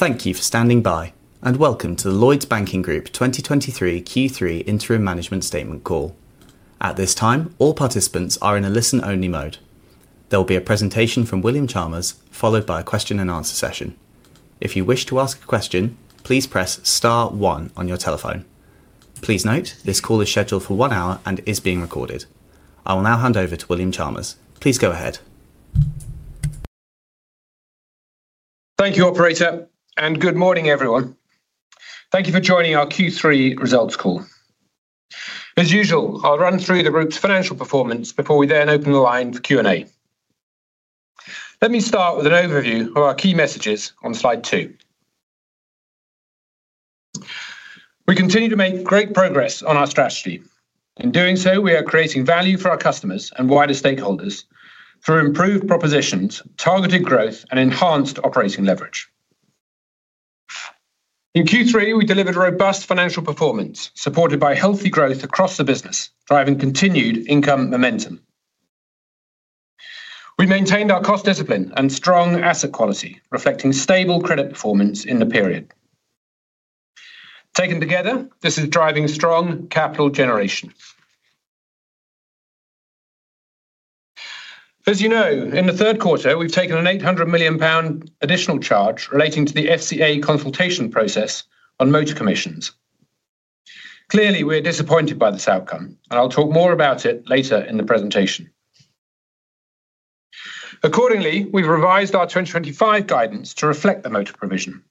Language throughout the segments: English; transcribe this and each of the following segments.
Thank you for standing by and welcome to the Lloyds Banking Group 2023 Q3 Interim Management Statement call. At this time, all participants are in a listen-only mode. There will be a presentation from William Chalmers, followed by a question and answer session. If you wish to ask a question, please press star one on your telephone. Please note this call is scheduled for one hour and is being recorded. I will now hand over to William Chalmers. Please go ahead. Thank you, operator, and good morning, everyone. Thank you for joining our Q3 results call. As usual, I'll run through the group's financial performance before we then open the line for Q&A. Let me start with an overview of our key messages on slide two. We continue to make great progress on our strategy. In doing so, we are creating value for our customers and wider stakeholders through improved propositions, targeted growth, and enhanced operating leverage. In Q3, we delivered robust financial performance supported by healthy growth across the business, driving continued income momentum. We maintained our cost discipline and strong asset quality, reflecting stable credit performance in the period. Taken together, this is driving strong capital generation. As you know, in the third quarter, we've taken an 800 million pound additional charge relating to the FCA consultation process on motor commissions. Clearly, we are disappointed by this outcome, and I'll talk more about it later in the presentation. Accordingly, we've revised our 2025 guidance to reflect the motor provision.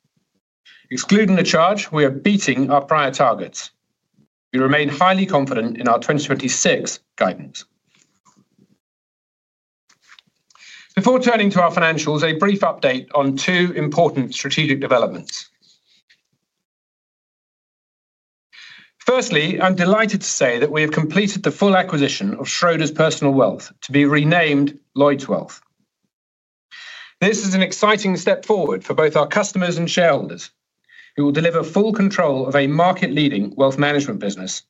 Excluding the charge, we are beating our prior targets. We remain highly confident in our 2026 guidance. Before turning to our financials, a brief update on two important strategic developments. Firstly, I'm delighted to say that we have completed the full acquisition of Schroders Personal Wealth to be renamed Lloyds Wealth. This is an exciting step forward for both our customers and shareholders. It will deliver full control of a market-leading wealth management business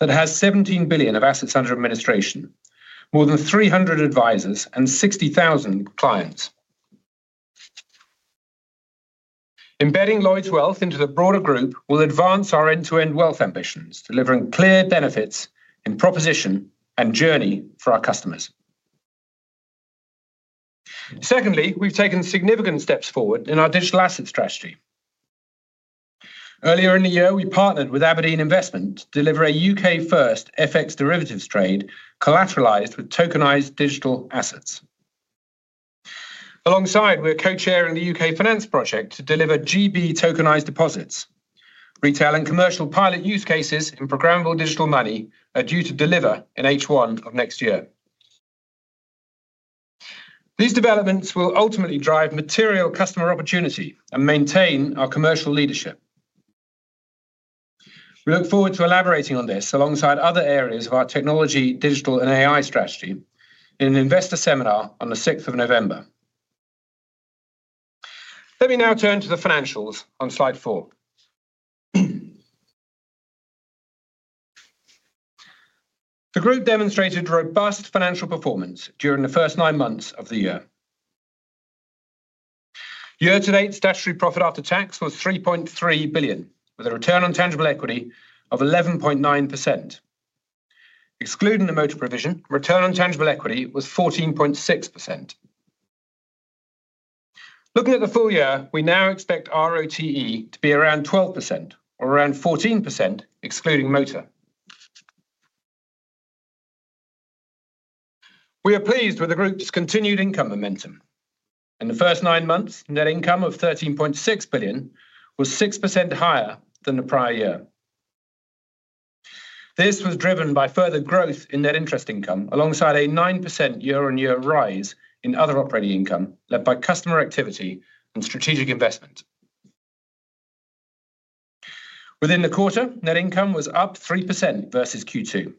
that has 17 billion of assets under administration, more than 300 advisors, and 60,000 clients. Embedding Lloyds Wealth into the broader group will advance our end-to-end wealth ambitions, delivering clear benefits in proposition and journey for our customers. Secondly, we've taken significant steps forward in our digital asset strategy. Earlier in the year, we partnered with abrdn to deliver a UK-first FX derivatives trade, collateralized with tokenized digital assets. Alongside, we're co-chairing the UK Finance project to deliver GB Tokenized Deposits. Retail and commercial pilot use cases in programmable digital money are due to deliver in H1 of next year. These developments will ultimately drive material customer opportunity and maintain our commercial leadership. We look forward to elaborating on this alongside other areas of our technology, digital, and AI strategy in an investor seminar on the 6th of November. Let me now turn to the financials on slide four. The group demonstrated robust financial performance during the first nine months of the year. Year-to-date statutory profit after tax was 3.3 billion, with a return on tangible equity of 11.9%. Excluding the motor provision, return on tangible equity was 14.6%. Looking at the full year, we now expect ROTE to be around 12% or around 14%, excluding motor. We are pleased with the group's continued income momentum. In the first nine months, net income of 13.6 billion was 6% higher than the prior year. This was driven by further growth in net interest income, alongside a 9% year-on-year rise in other operating income led by customer activity and strategic investment. Within the quarter, net income was up 3% versus Q2.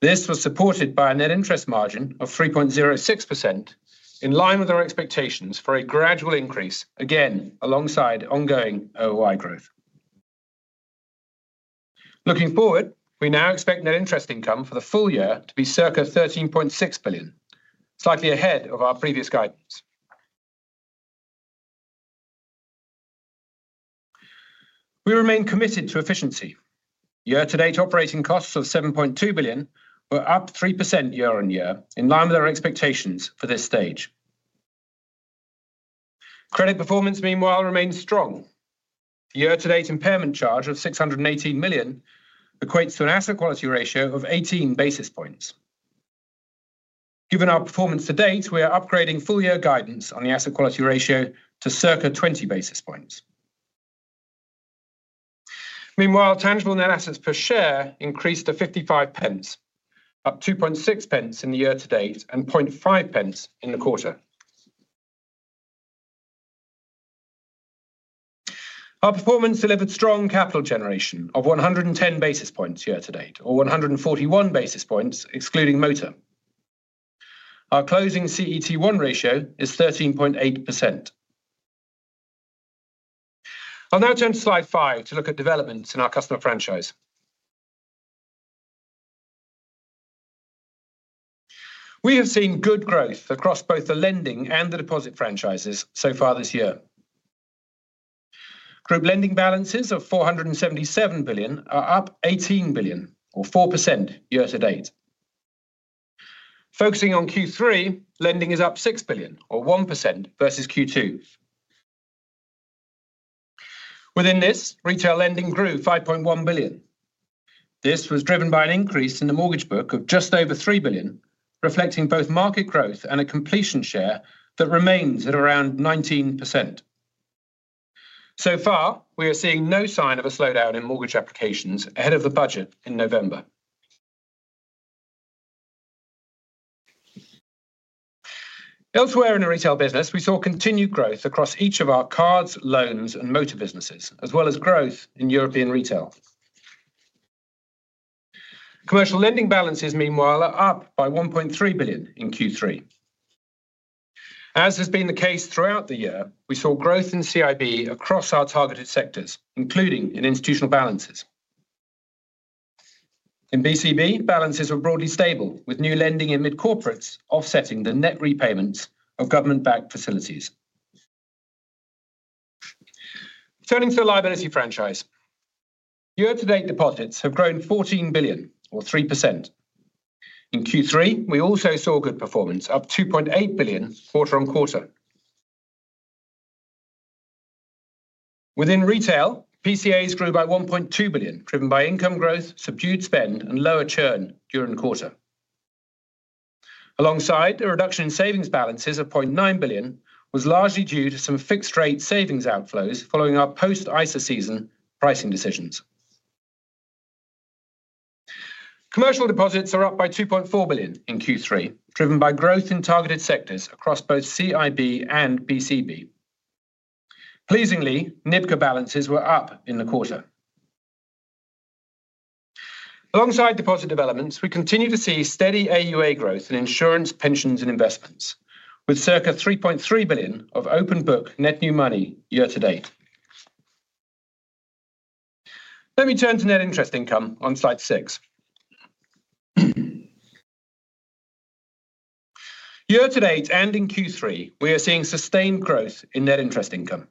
This was supported by a net interest margin of 3.06%, in line with our expectations for a gradual increase, again alongside ongoing OOI growth. Looking forward, we now expect net interest income for the full year to be circa 13.6 billion, slightly ahead of our previous guidance. We remain committed to efficiency. Year-to-date operating costs of 7.2 billion were up 3% year-on-year, in line with our expectations for this stage. Credit performance, meanwhile, remains strong. The year-to-date impairment charge of 618 million equates to an asset quality ratio of 18 basis points. Given our performance to date, we are upgrading full-year guidance on the asset quality ratio to circa 20 basis points. Meanwhile, tangible net assets per share increased to 0.55, up 0.026 in the year-to-date and 0.005 in the quarter. Our performance delivered strong capital generation of 110 basis points year-to-date, or 141 basis points excluding motor. Our closing CET1 ratio is 13.8%. I'll now turn to slide five to look at developments in our customer franchise. We have seen good growth across both the lending and the deposit franchises so far this year. Group lending balances of 477 billion are up 18 billion, or 4% year-to-date. Focusing on Q3, lending is up 6 billion, or 1% versus Q2. Within this, retail lending grew 5.1 billion. This was driven by an increase in the mortgage book of just over 3 billion, reflecting both market growth and a completion share that remains at around 19%. So far, we are seeing no sign of a slowdown in mortgage applications ahead of the budget in November. Elsewhere in the retail business, we saw continued growth across each of our cards, loans, and motor businesses, as well as growth in European retail. Commercial lending balances, meanwhile, are up by 1.3 billion in Q3. As has been the case throughout the year, we saw growth in CIB across our targeted sectors, including in institutional balances. In BCB, balances were broadly stable, with new lending in mid-corporates offsetting the net repayments of government-backed facilities. Turning to the liability franchise, year-to-date deposits have grown 14 billion, or 3%. In Q3, we also saw good performance, up 2.8 billion quarter-on-quarter. Within retail, PCAs grew by 1.2 billion, driven by income growth, subdued spend, and lower churn during the quarter. Alongside a reduction in savings balances of 0.9 billion, which was largely due to some fixed-rate savings outflows following our post-ISA season pricing decisions. Commercial deposits are up by 2.4 billion in Q3, driven by growth in targeted sectors across both CIB and BCB. Pleasingly, NIBCO balances were up in the quarter. Alongside deposit developments, we continue to see steady AUA growth in insurance, pensions, and investments, with circa 3.3 billion of open book net new money year-to-date. Let me turn to net interest income on slide six. Year-to-date and in Q3, we are seeing sustained growth in net interest income.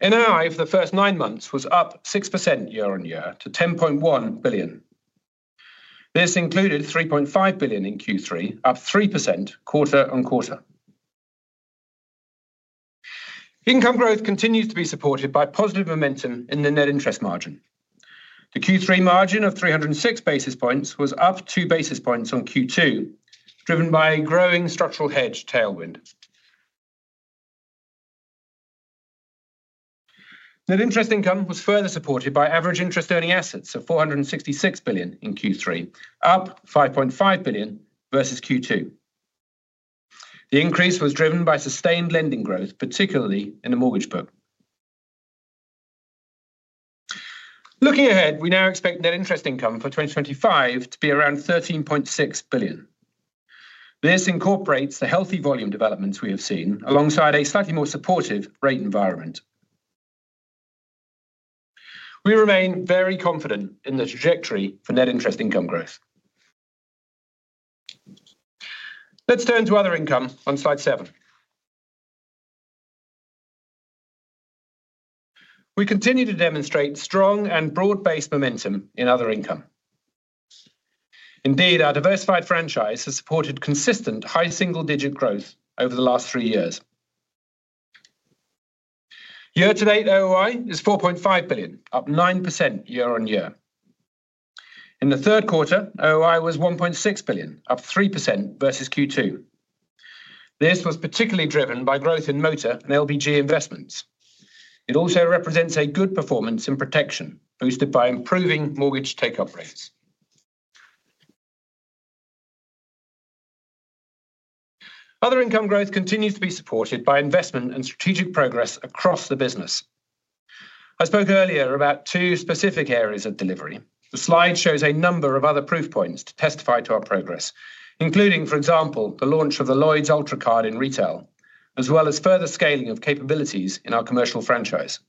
Net interest income for the first nine months was up 6% year-on-year to 10.1 billion. This included 3.5 billion in Q3, up 3% quarter-on-quarter. Income growth continues to be supported by positive momentum in the net interest margin. The Q3 margin of 306 basis points was up 2 basis points on Q2, driven by a growing structural hedge tailwind. Net interest income was further supported by average interest earning assets of 466 billion in Q3, up 5.5 billion versus Q2. The increase was driven by sustained lending growth, particularly in the mortgage book. Looking ahead, we now expect net interest income for 2025 to be around 13.6 billion. This incorporates the healthy volume developments we have seen, alongside a slightly more supportive rate environment. We remain very confident in the trajectory for net interest income growth. Let's turn to other income on slide seven. We continue to demonstrate strong and broad-based momentum in other income. Indeed, our diversified franchise has supported consistent high single-digit growth over the last three years. Year-to-date OOI is 4.5 billion, up 9% year-on-year. In the third quarter, OOI was 1.6 billion, up 3% versus Q2. This was particularly driven by growth in motor and LBG investments. It also represents a good performance in protection, boosted by improving mortgage take-up rates. Other income growth continues to be supported by investment and strategic progress across the business. I spoke earlier about two specific areas of delivery. The slide shows a number of other proof points to testify to our progress, including, for example, the launch of the Lloyds Ultra card in retail, as well as further scaling of capabilities in our commercial franchise.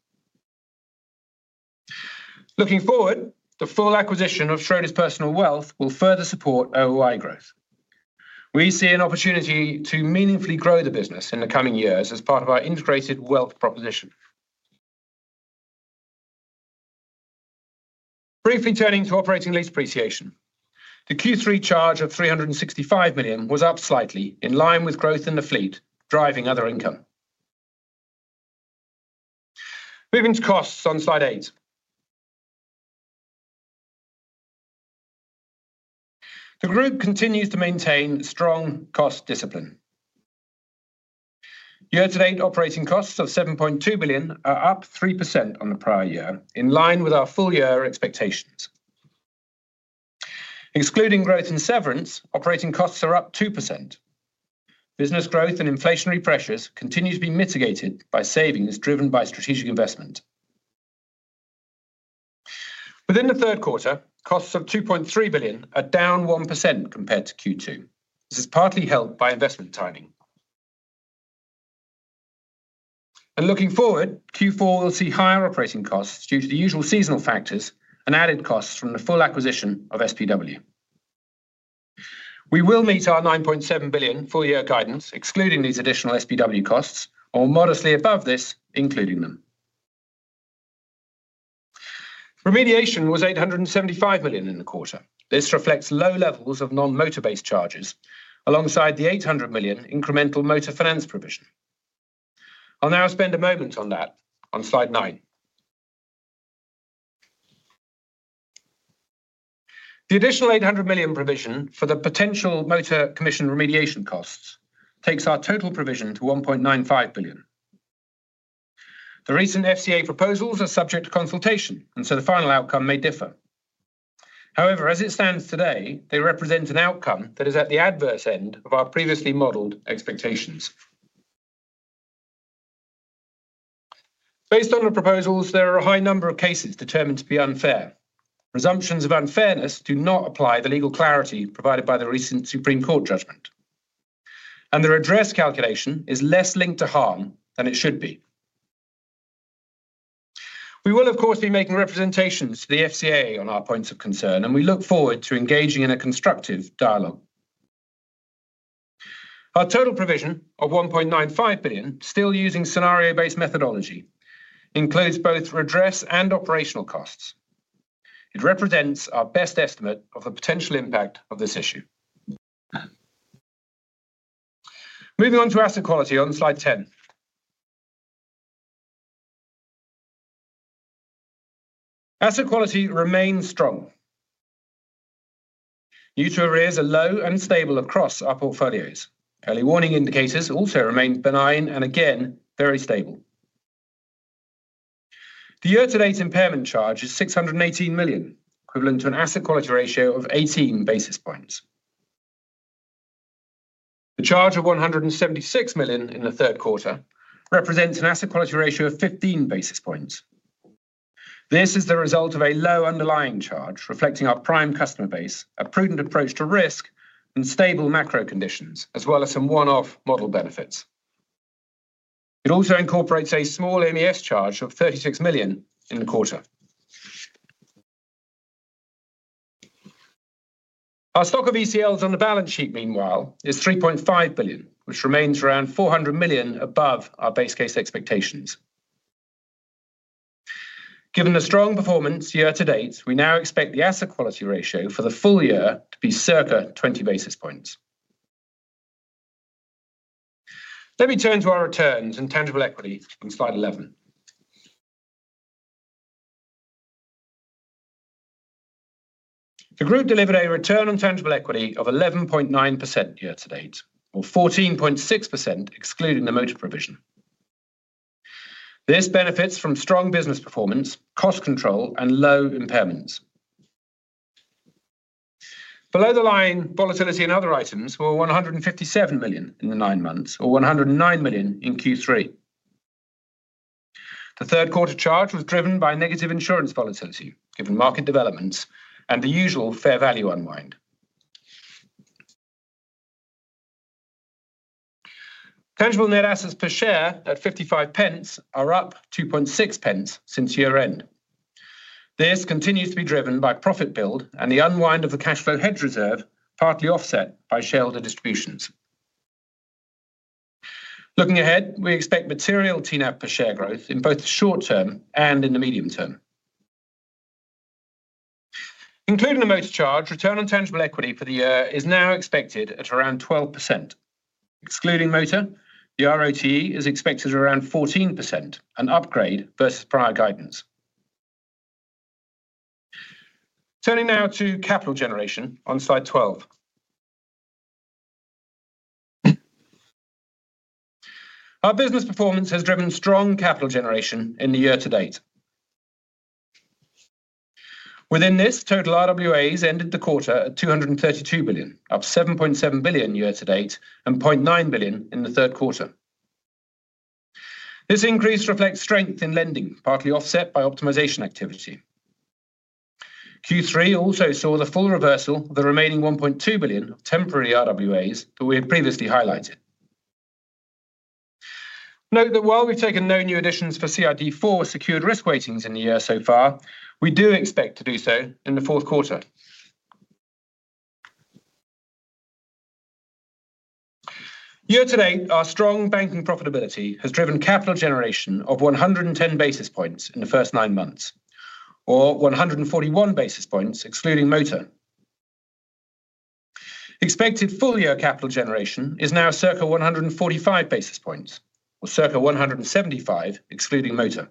Looking forward, the full acquisition of Schroders Personal Wealth will further support OOI growth. We see an opportunity to meaningfully grow the business in the coming years as part of our integrated wealth proposition. Briefly turning to operating lease appreciation. The Q3 charge of 365 million was up slightly, in line with growth in the fleet, driving other income. Moving to costs on slide eight. The group continues to maintain strong cost discipline. Year-to-date operating costs of 7.2 billion are up 3% on the prior year, in line with our full year expectations. Excluding growth in severance, operating costs are up 2%. Business growth and inflationary pressures continue to be mitigated by savings driven by strategic investment. Within the third quarter, costs of 2.3 billion are down 1% compared to Q2. This is partly helped by investment timing. Looking forward, Q4 will see higher operating costs due to the usual seasonal factors and added costs from the full acquisition of SPW. We will meet our 9.7 billion full-year guidance, excluding these additional SPW costs, or modestly above this, including them. Remediation was 875 million in the quarter. This reflects low levels of non-motor-based charges, alongside the 800 million incremental motor finance provision. I'll now spend a moment on that on slide nine. The additional 800 million provision for the potential motor commission remediation costs takes our total provision to 1.95 billion. The recent FCA proposals are subject to consultation, and so the final outcome may differ. However, as it stands today, they represent an outcome that is at the adverse end of our previously modeled expectations. Based on the proposals, there are a high number of cases determined to be unfair. Presumptions of unfairness do not apply the legal clarity provided by the recent Supreme Court judgment. The redress calculation is less linked to harm than it should be. We will, of course, be making representations to the FCA on our points of concern, and we look forward to engaging in a constructive dialogue. Our total provision of 1.95 billion, still using scenario-based methodology, includes both redress and operational costs. It represents our best estimate of the potential impact of this issue. Moving on to asset quality on slide ten. Asset quality remains strong. EU2 arrears are low and stable across our portfolios. Early warning indicators also remain benign and again very stable. The year-to-date impairment charge is 618 million, equivalent to an asset quality ratio of 18 basis points. The charge of 176 million in the third quarter represents an asset quality ratio of 15 basis points. This is the result of a low underlying charge, reflecting our prime customer base, a prudent approach to risk, and stable macro conditions, as well as some one-off model benefits. It also incorporates a small MES charge of 36 million in the quarter. Our stock of ECLs on the balance sheet, meanwhile, is 3.5 billion, which remains around 400 million above our base case expectations. Given the strong performance year-to-date, we now expect the asset quality ratio for the full year to be circa 20 basis points. Let me turn to our returns and tangible equity on slide 11. The group delivered a return on tangible equity of 11.9% year-to-date, or 14.6% excluding the motor provision. This benefits from strong business performance, cost control, and low impairments. Below the line, volatility in other items were 157 million in the nine months, or 109 million in Q3. The third quarter charge was driven by negative insurance volatility, given market developments and the usual fair value unwind. Tangible net assets per share at 0.55 are up 0.026 since year-end. This continues to be driven by profit build and the unwind of the cash flow hedge reserve, partly offset by shareholder distributions. Looking ahead, we expect material TNAP per share growth in both the short term and in the medium term. Including the motor charge, return on tangible equity for the year is now expected at around 12%. Excluding motor, the ROTE is expected at around 14%, an upgrade versus prior guidance. Turning now to capital generation on slide 12. Our business performance has driven strong capital generation in the year-to-date. Within this, total RWAs ended the quarter at 232 billion, up 7.7 billion year-to-date and 0.9 billion in the third quarter. This increase reflects strength in lending, partly offset by optimization activity. Q3 also saw the full reversal of the remaining 1.2 billion of temporary RWAs that we had previously highlighted. Note that while we've taken no new additions for CRD IV secured risk weightings in the year so far, we do expect to do so in the fourth quarter. Year-to-date, our strong banking profitability has driven capital generation of 110 basis points in the first nine months, or 141 basis points excluding motor. Expected full-year capital generation is now circa 145 basis points, or circa 175 excluding motor.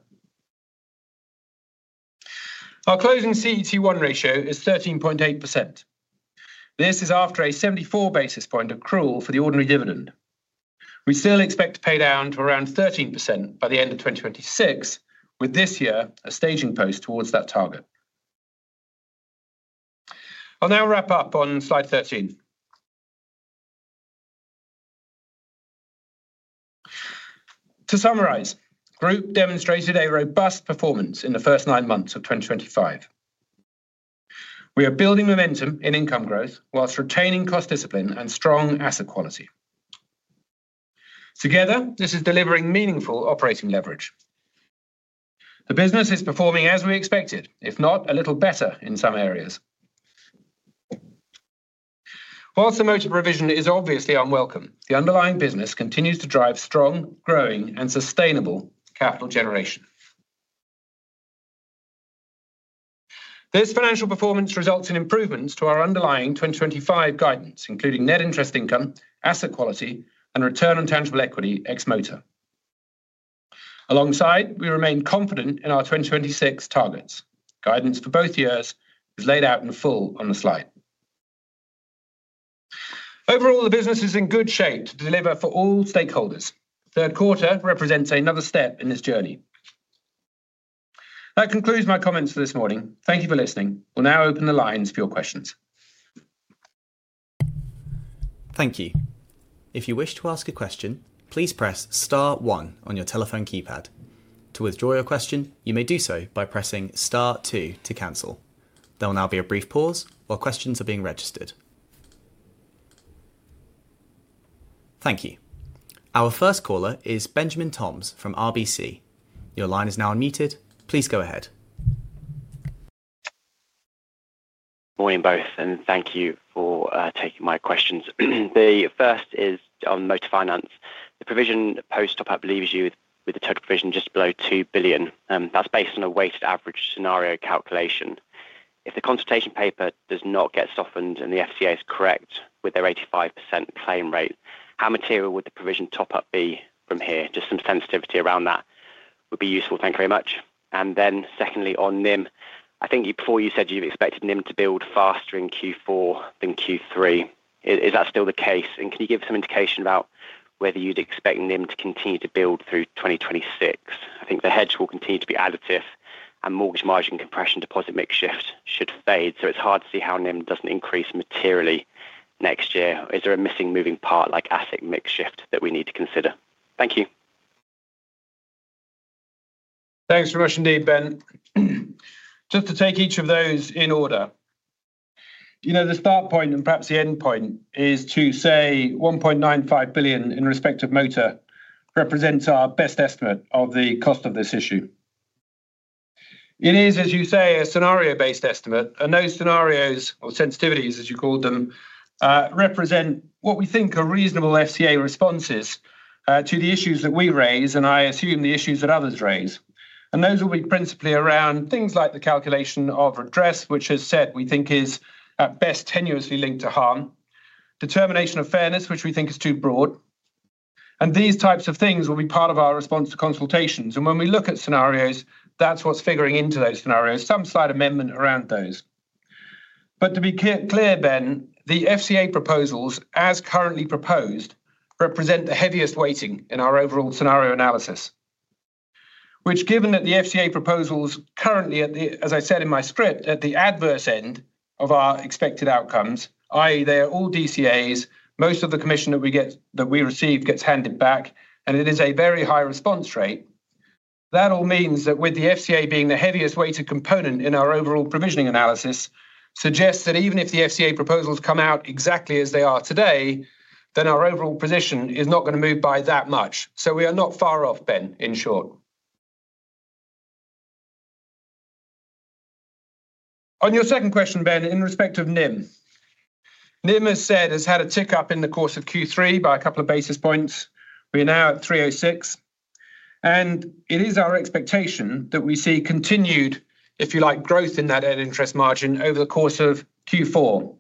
Our closing CET1 ratio is 13.8%. This is after a 74 basis point accrual for the ordinary dividend. We still expect to pay down to around 13% by the end of 2026, with this year a staging post towards that target. I'll now wrap up on slide 13. To summarize, the group demonstrated a robust performance in the first nine months of 2025. We are building momentum in income growth whilst retaining cost discipline and strong asset quality. Together, this is delivering meaningful operating leverage. The business is performing as we expected, if not a little better in some areas. Whilst the motor provision is obviously unwelcome, the underlying business continues to drive strong, growing, and sustainable capital generation. This financial performance results in improvements to our underlying 2025 guidance, including net interest income, asset quality, and return on tangible equity ex-motor. Alongside, we remain confident in our 2026 targets. Guidance for both years is laid out in full on the slide. Overall, the business is in good shape to deliver for all stakeholders. The third quarter represents another step in this journey. That concludes my comments for this morning. Thank you for listening. We'll now open the lines for your questions. Thank you. If you wish to ask a question, please press star one on your telephone keypad. To withdraw your question, you may do so by pressing star two to cancel. There will now be a brief pause while questions are being registered. Thank you. Our first caller is Benjamin Toms from RBC. Your line is now unmuted. Please go ahead. Morning both, and thank you for taking my questions. The first is on motor finance. The provision post-top-up leaves you with a total provision just below 2 billion. That's based on a weighted average scenario calculation. If the consultation paper does not get softened and the FCA is correct with their 85% claim rate, how material would the provision top-up be from here? Just some sensitivity around that would be useful. Thank you very much. Secondly, on NIM, I think you said you expected NIM to build faster in Q4 than Q3. Is that still the case? Can you give some indication about whether you'd expect NIM to continue to build through 2026? I think the hedge will continue to be additive, and mortgage margin compression deposit mix shift should fade, so it's hard to see how NIM doesn't increase materially next year. Is there a missing moving part like asset mix shift that we need to consider? Thank you. Thanks very much indeed, Ben. Just to take each of those in order, the start point and perhaps the end point is to say 1.95 billion in respect of motor represents our best estimate of the cost of this issue. It is, as you say, a scenario-based estimate, and those scenarios or sensitivities, as you called them, represent what we think are reasonable FCA responses to the issues that we raise, and I assume the issues that others raise. Those will be principally around things like the calculation of redress, which, as said, we think is at best tenuously linked to harm, determination of fairness, which we think is too broad. These types of things will be part of our response to consultations. When we look at scenarios, that's what's figuring into those scenarios, some slight amendment around those. To be clear, Ben, the FCA proposals, as currently proposed, represent the heaviest weighting in our overall scenario analysis, which, given that the FCA proposals currently at the, as I said in my script, at the adverse end of our expected outcomes, i.e., they are all DCAs, most of the commission that we receive gets handed back, and it is a very high response rate. That all means that with the FCA being the heaviest weighted component in our overall provisioning analysis, it suggests that even if the FCA proposals come out exactly as they are today, then our overall position is not going to move by that much. We are not far off, Ben, in short. On your second question, Ben, in respect of NIM, NIM, as said, has had a tick up in the course of Q3 by a couple of basis points. We are now at 3.06%. It is our expectation that we see continued, if you like, growth in that net interest margin over the course of Q4.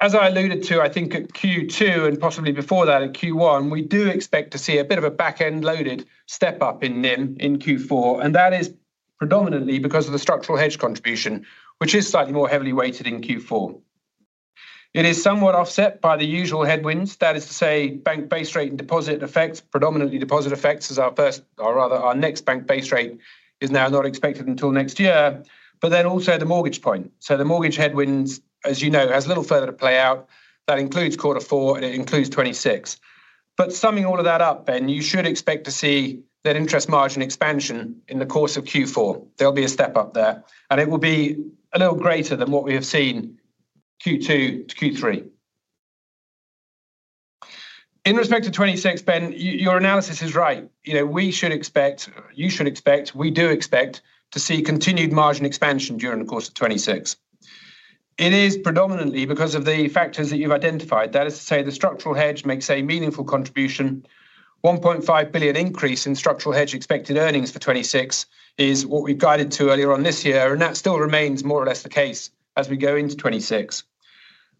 As I alluded to, I think at Q2 and possibly before that at Q1, we do expect to see a bit of a back-end loaded step up in NIM in Q4. That is predominantly because of the structural hedge contribution, which is slightly more heavily weighted in Q4. It is somewhat offset by the usual headwinds. That is to say, bank base rate and deposit effects, predominantly deposit effects, as our next bank base rate is now not expected until next year. There is also the mortgage point. The mortgage headwinds, as you know, have a little further to play out. That includes Q4 and it includes 2026. Summing all of that up, Ben, you should expect to see that interest margin expansion in the course of Q4. There'll be a step up there, and it will be a little greater than what we have seen Q2 to Q3. In respect to 2026, Ben, your analysis is right. You know we should expect, you should expect, we do expect to see continued margin expansion during the course of 2026. It is predominantly because of the factors that you've identified. That is to say, the structural hedge makes a meaningful contribution. 1.5 billion increase in structural hedge expected earnings for 2026 is what we've guided to earlier on this year, and that still remains more or less the case as we go into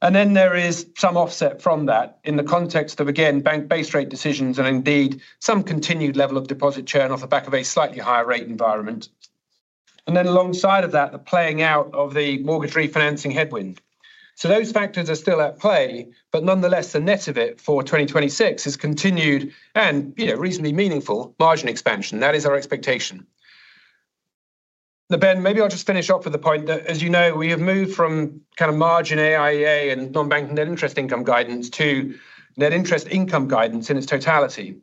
2026. There is some offset from that in the context of, again, bank base rate decisions and indeed some continued level of deposit churn off the back of a slightly higher rate environment. Alongside that, the playing out of the mortgage refinancing headwind. Those factors are still at play, but nonetheless, the net of it for 2026 is continued and reasonably meaningful margin expansion. That is our expectation. Now, Ben, maybe I'll just finish off with the point that, as you know, we have moved from kind of margin AIEA and non-bank net interest income guidance to net interest income guidance in its totality,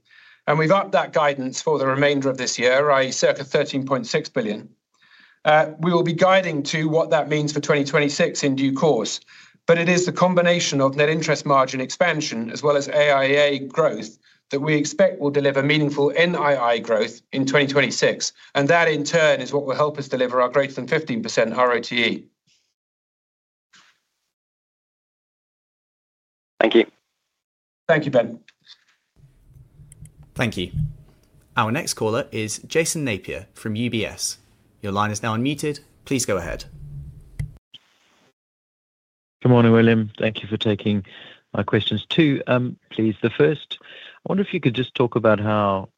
and we've upped that guidance for the remainder of this year, i.e., circa 13.6 billion. We will be guiding to what that means for 2026 in due course. It is the combination of net interest margin expansion as well as AIEA growth that we expect will deliver meaningful NII growth in 2026, and that in turn is what will help us deliver our greater than 15% ROTE. Thank you. Thank you, Ben. Thank you. Our next caller is Jason Napier from UBS. Your line is now unmuted. Please go ahead. Good morning, William. Thank you for taking my questions too, please. The first, I wonder if you could just talk about how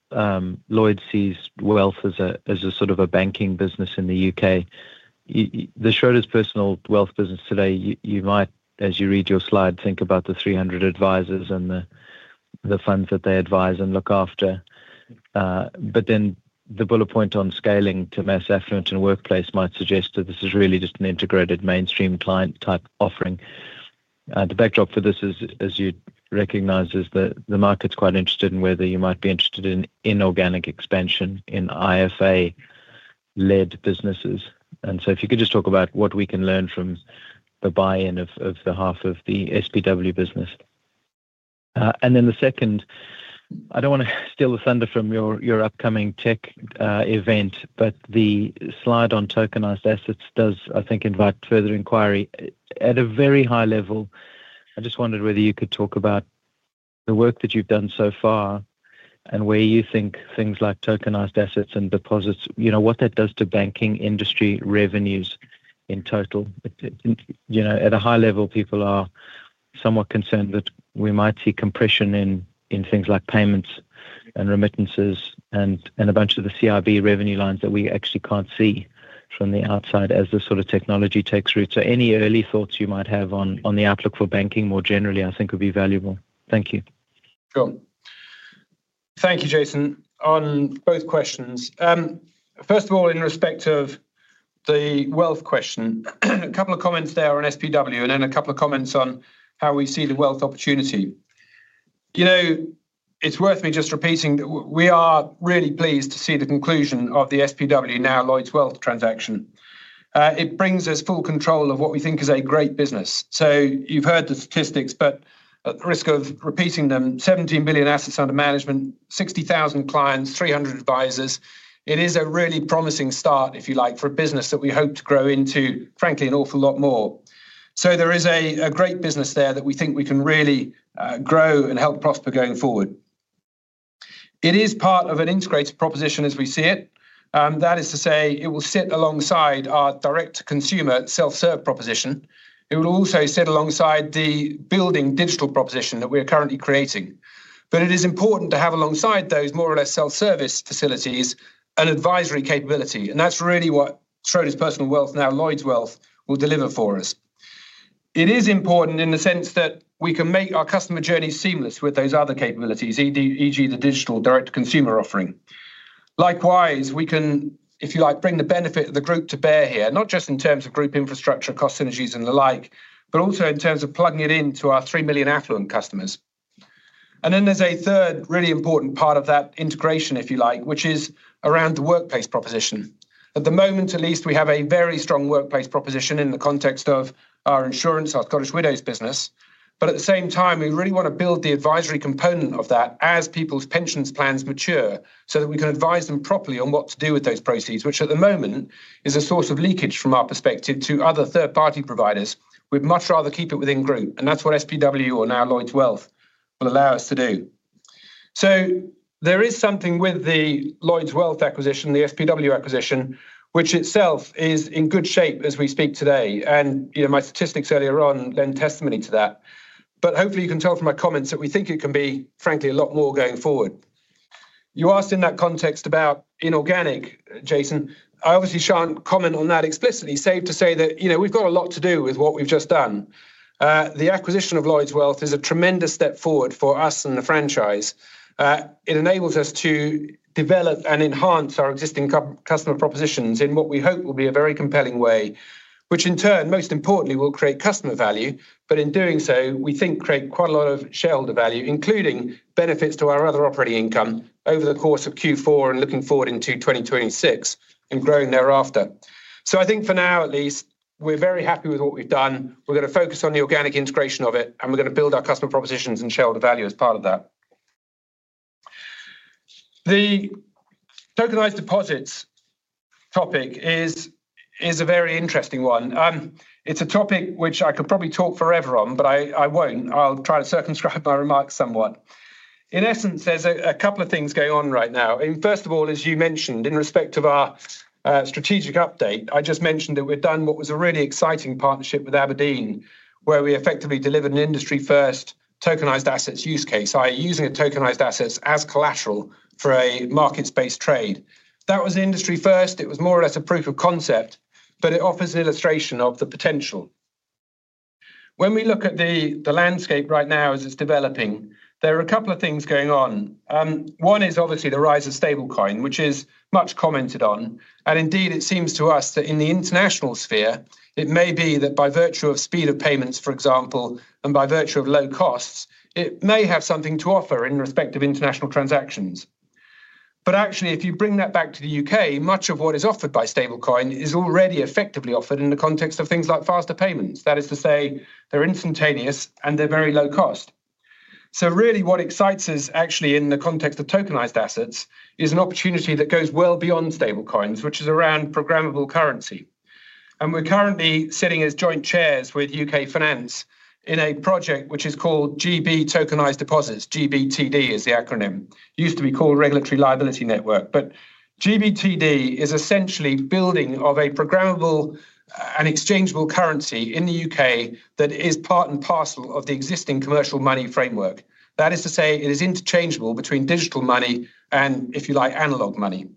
Lloyds sees wealth as a sort of a banking business in the U.K. The Schroders Personal Wealth business today, you might, as you read your slide, think about the 300 advisors and the funds that they advise and look after. The bullet point on scaling to mass affluent and workplace might suggest that this is really just an integrated mainstream client type offering. The backdrop for this, as you recognize, is that the market's quite interested in whether you might be interested in inorganic expansion in IFA-led businesses. If you could just talk about what we can learn from the buy-in of the half of the SPW business. The second, I don't want to steal the thunder from your upcoming tech event, but the slide on tokenized assets does, I think, invite further inquiry. At a very high level, I just wondered whether you could talk about the work that you've done so far and where you think things like tokenized assets and deposits, you know what that does to banking industry revenues in total. At a high level, people are somewhat concerned that we might see compression in things like payments and remittances and a bunch of the commercial banking revenue lines that we actually can't see from the outside as the sort of technology takes root. Any early thoughts you might have on the outlook for banking more generally, I think would be valuable. Thank you. Sure. Thank you, Jason, on both questions. First of all, in respect of the wealth question, a couple of comments there on SPW and then a couple of comments on how we see the wealth opportunity. You know, it's worth me just repeating that we are really pleased to see the conclusion of the SPW, now Lloyds Wealth, transaction. It brings us full control of what we think is a great business. You've heard the statistics, but at the risk of repeating them, 17 billion assets under administration, 60,000 clients, 300 advisors, it is a really promising start, if you like, for a business that we hope to grow into, frankly, an awful lot more. There is a great business there that we think we can really grow and help prosper going forward. It is part of an integrated proposition as we see it. That is to say, it will sit alongside our direct-to-consumer self-serve proposition. It will also sit alongside the building digital proposition that we are currently creating. It is important to have alongside those more or less self-service facilities an advisory capability. That's really what Schroders Personal Wealth, now Lloyds Wealth, will deliver for us. It is important in the sense that we can make our customer journey seamless with those other capabilities, e.g., the digital direct-to-consumer offering. Likewise, we can, if you like, bring the benefit of the group to bear here, not just in terms of group infrastructure, cost synergies, and the like, but also in terms of plugging it into our 3 million affluent customers. There is a third really important part of that integration, if you like, which is around the workplace proposition. At the moment, at least, we have a very strong workplace proposition in the context of our insurance, our Scottish Widows business. At the same time, we really want to build the advisory component of that as people's pensions plans mature so that we can advise them properly on what to do with those proceeds, which at the moment is a source of leakage from our perspective to other third-party providers. We'd much rather keep it within group. That's what SPW, or now Lloyds Wealth, will allow us to do. There is something with the Lloyds Wealth acquisition, the Schroders Personal Wealth acquisition, which itself is in good shape as we speak today. My statistics earlier on lend testimony to that. Hopefully, you can tell from my comments that we think it can be, frankly, a lot more going forward. You asked in that context about inorganic, Jason. I obviously shan't comment on that explicitly, save to say that we've got a lot to do with what we've just done. The acquisition of Lloyds Wealth is a tremendous step forward for us and the franchise. It enables us to develop and enhance our existing customer propositions in what we hope will be a very compelling way, which in turn, most importantly, will create customer value. In doing so, we think create quite a lot of shareholder value, including benefits to our other operating income over the course of Q4 and looking forward into 2026 and growing thereafter. I think for now, at least, we're very happy with what we've done. We're going to focus on the organic integration of it, and we're going to build our customer propositions and shareholder value as part of that. The tokenized deposits topic is a very interesting one. It's a topic which I could probably talk forever on, but I won't. I'll try to circumscribe my remarks somewhat. In essence, there's a couple of things going on right now. First of all, as you mentioned, in respect of our strategic update, I just mentioned that we've done what was a really exciting partnership with abrdn, where we effectively delivered an industry-first tokenized assets use case, i.e., using tokenized assets as collateral for a markets-based trade. That was industry-first. It was more or less a proof of concept, but it offers an illustration of the potential. When we look at the landscape right now as it's developing, there are a couple of things going on. One is obviously the rise of stablecoin, which is much commented on. It seems to us that in the international sphere, it may be that by virtue of speed of payments, for example, and by virtue of low costs, it may have something to offer in respect of international transactions. Actually, if you bring that back to the U.K., much of what is offered by stablecoin is already effectively offered in the context of things like faster payments. That is to say, they're instantaneous and they're very low cost. What excites us actually in the context of tokenized assets is an opportunity that goes well beyond stablecoins, which is around programmable currency. We're currently sitting as joint chairs with UK Finance in a project which is called GB Tokenized Deposits. GBTD is the acronym. It used to be called Regulatory Liability Network. GBTD is essentially building a programmable and exchangeable currency in the U.K. that is part and parcel of the existing commercial money framework. That is to say, it is interchangeable between digital money and, if you like, analog money.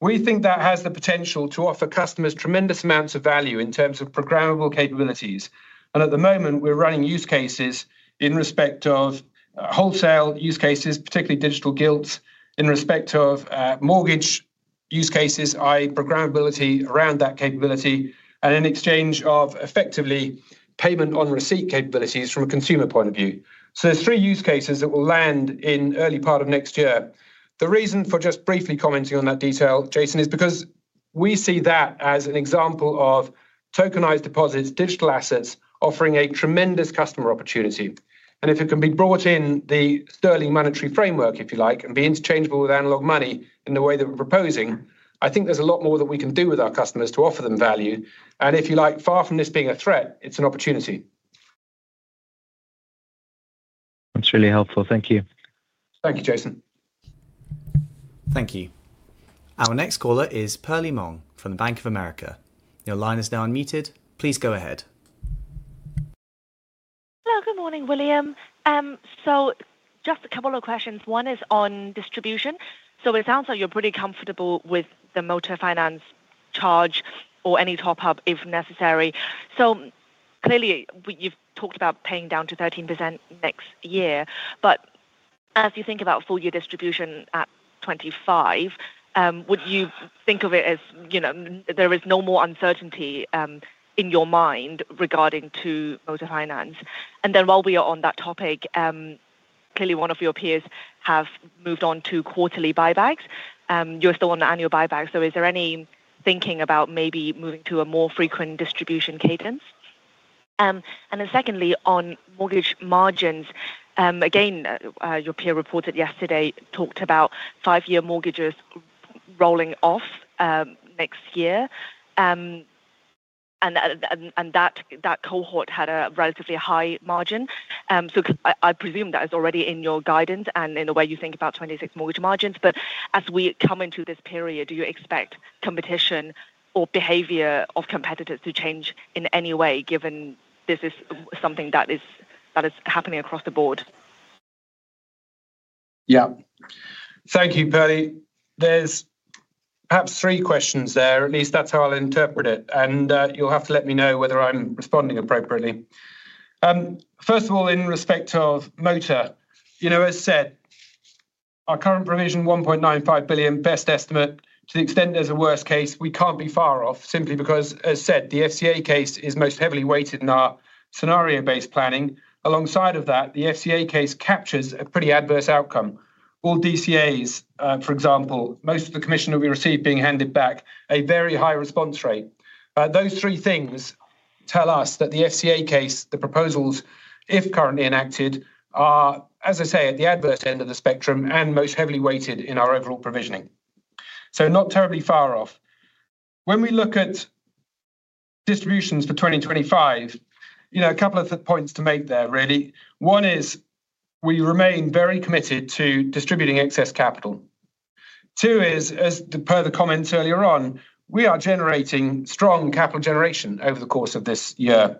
We think that has the potential to offer customers tremendous amounts of value in terms of programmable capabilities. At the moment, we're running use cases in respect of wholesale use cases, particularly digital gilts, in respect of mortgage use cases, i.e., programmability around that capability, and in exchange of effectively payment on receipt capabilities from a consumer point of view. There are three use cases that will land in the early part of next year. The reason for just briefly commenting on that detail, Jason, is because we see that as an example of tokenized deposits, digital assets, offering a tremendous customer opportunity. If it can be brought in the sterling monetary framework, if you like, and be interchangeable with analog money in the way that we're proposing, I think there's a lot more that we can do with our customers to offer them value. Far from this being a threat, it's an opportunity. That's really helpful. Thank you. Thank you, Jason. Thank you. Our next caller is Pearlie Mong from Bank of America. Your line is now unmuted. Please go ahead. Hello. Good morning, William. Just a couple of questions. One is on distribution. It sounds like you're pretty comfortable with the motor finance charge or any top-up if necessary. You've talked about paying down to 13% next year. As you think about full-year distribution at 2025, would you think of it as there is no more uncertainty in your mind regarding motor finance? While we are on that topic, one of your peers has moved on to quarterly buybacks. You're still on the annual buyback. Is there any thinking about maybe moving to a more frequent distribution cadence? Secondly, on mortgage margins, your peer reported yesterday talked about five-year mortgages rolling off next year, and that cohort had a relatively high margin. I presume that is already in your guidance and in the way you think about 2026 mortgage margins. As we come into this period, do you expect competition or behavior of competitors to change in any way, given this is something that is happening across the board? Yeah. Thank you, Pearlie. There's perhaps three questions there. At least that's how I'll interpret it. You'll have to let me know whether I'm responding appropriately. First of all, in respect of motor, as said, our current provision is 1.95 billion, best estimate. To the extent there's a worst case, we can't be far off simply because, as said, the FCA case is most heavily weighted in our scenario-based planning. Alongside that, the FCA case captures a pretty adverse outcome. All DCAs, for example, most of the commission will be received being handed back, a very high response rate. Those three things tell us that the FCA case, the proposals, if currently enacted, are, as I say, at the adverse end of the spectrum and most heavily weighted in our overall provisioning. Not terribly far off. When we look at distributions for 2025, a couple of points to make there, really. One is we remain very committed to distributing excess capital. Two is, as per the comments earlier on, we are generating strong capital generation over the course of this year.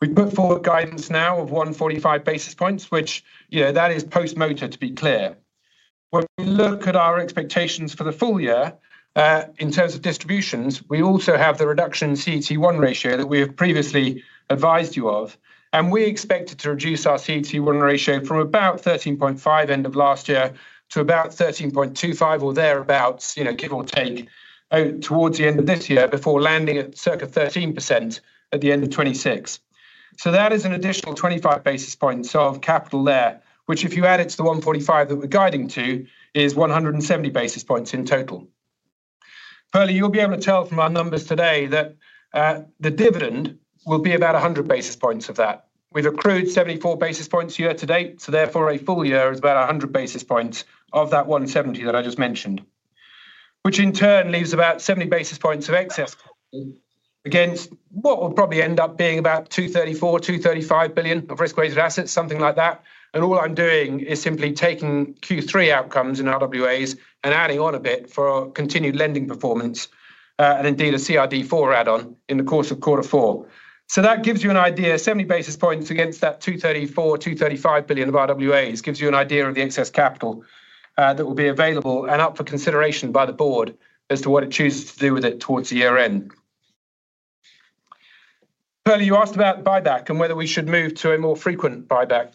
We've put forward guidance now of 145 basis points, which is post-motor, to be clear. When we look at our expectations for the full year in terms of distributions, we also have the reduction in CET1 ratio that we have previously advised you of. We expected to reduce our CET1 ratio from about 13.5% end of last year to about 13.25% or thereabouts, give or take, towards the end of this year before landing at circa 13% at the end of 2026. That is an additional 25 basis points of capital there, which if you add it to the 145 basis points that we're guiding to, is 170 basis points in total. Pearlie, you'll be able to tell from our numbers today that the dividend will be about 100 basis points of that. We've accrued 74 basis points year-to-date. Therefore, a full year is about 100 basis points of that 170 basis points that I just mentioned, which in turn leaves about 70 basis points of excess against what will probably end up being about 234 billion, 235 billion of risk-weighted assets, something like that. All I'm doing is simply taking Q3 outcomes in RWAs and adding on a bit for continued lending performance and indeed a CRD4 add-on in the course of quarter four. That gives you an idea, 70 basis points against that 234 billion, 235 billion of RWAs gives you an idea of the excess capital that will be available and up for consideration by the board as to what it chooses to do with it towards the year end. Pearlie, you asked about buyback and whether we should move to a more frequent buyback.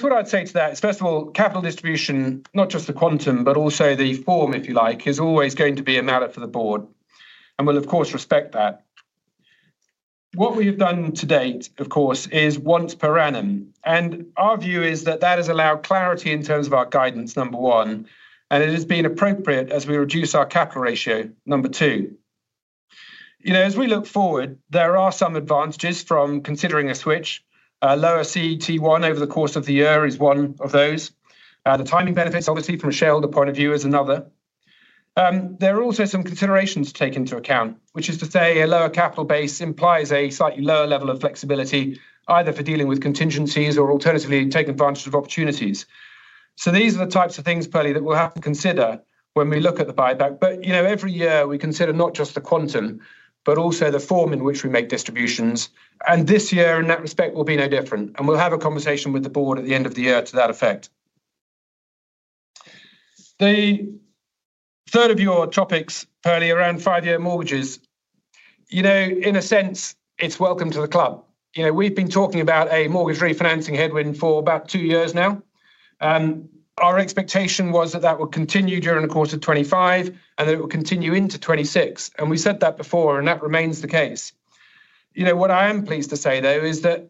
What I'd say to that is, first of all, capital distribution, not just the quantum, but also the form, if you like, is always going to be a matter for the board. We'll, of course, respect that. What we have done to date, of course, is once per annum. Our view is that that has allowed clarity in terms of our guidance, number one, and it has been appropriate as we reduce our capital ratio, number two. As we look forward, there are some advantages from considering a switch. Lower CET1 over the course of the year is one of those. The timing benefits, obviously, from a shareholder point of view is another. There are also some considerations to take into account, which is to say a lower capital base implies a slightly lower level of flexibility, either for dealing with contingencies or alternatively to take advantage of opportunities. These are the types of things, Pearlie, that we'll have to consider when we look at the buyback. Every year we consider not just the quantum, but also the form in which we make distributions. This year, in that respect, will be no different. We'll have a conversation with the board at the end of the year to that effect. The third of your topics, Pearlie, around five-year mortgages. In a sense, it's welcome to the club. We've been talking about a mortgage refinancing headwind for about two years now. Our expectation was that that would continue during the course of 2025 and that it would continue into 2026. We said that before, and that remains the case. What I am pleased to say, though, is that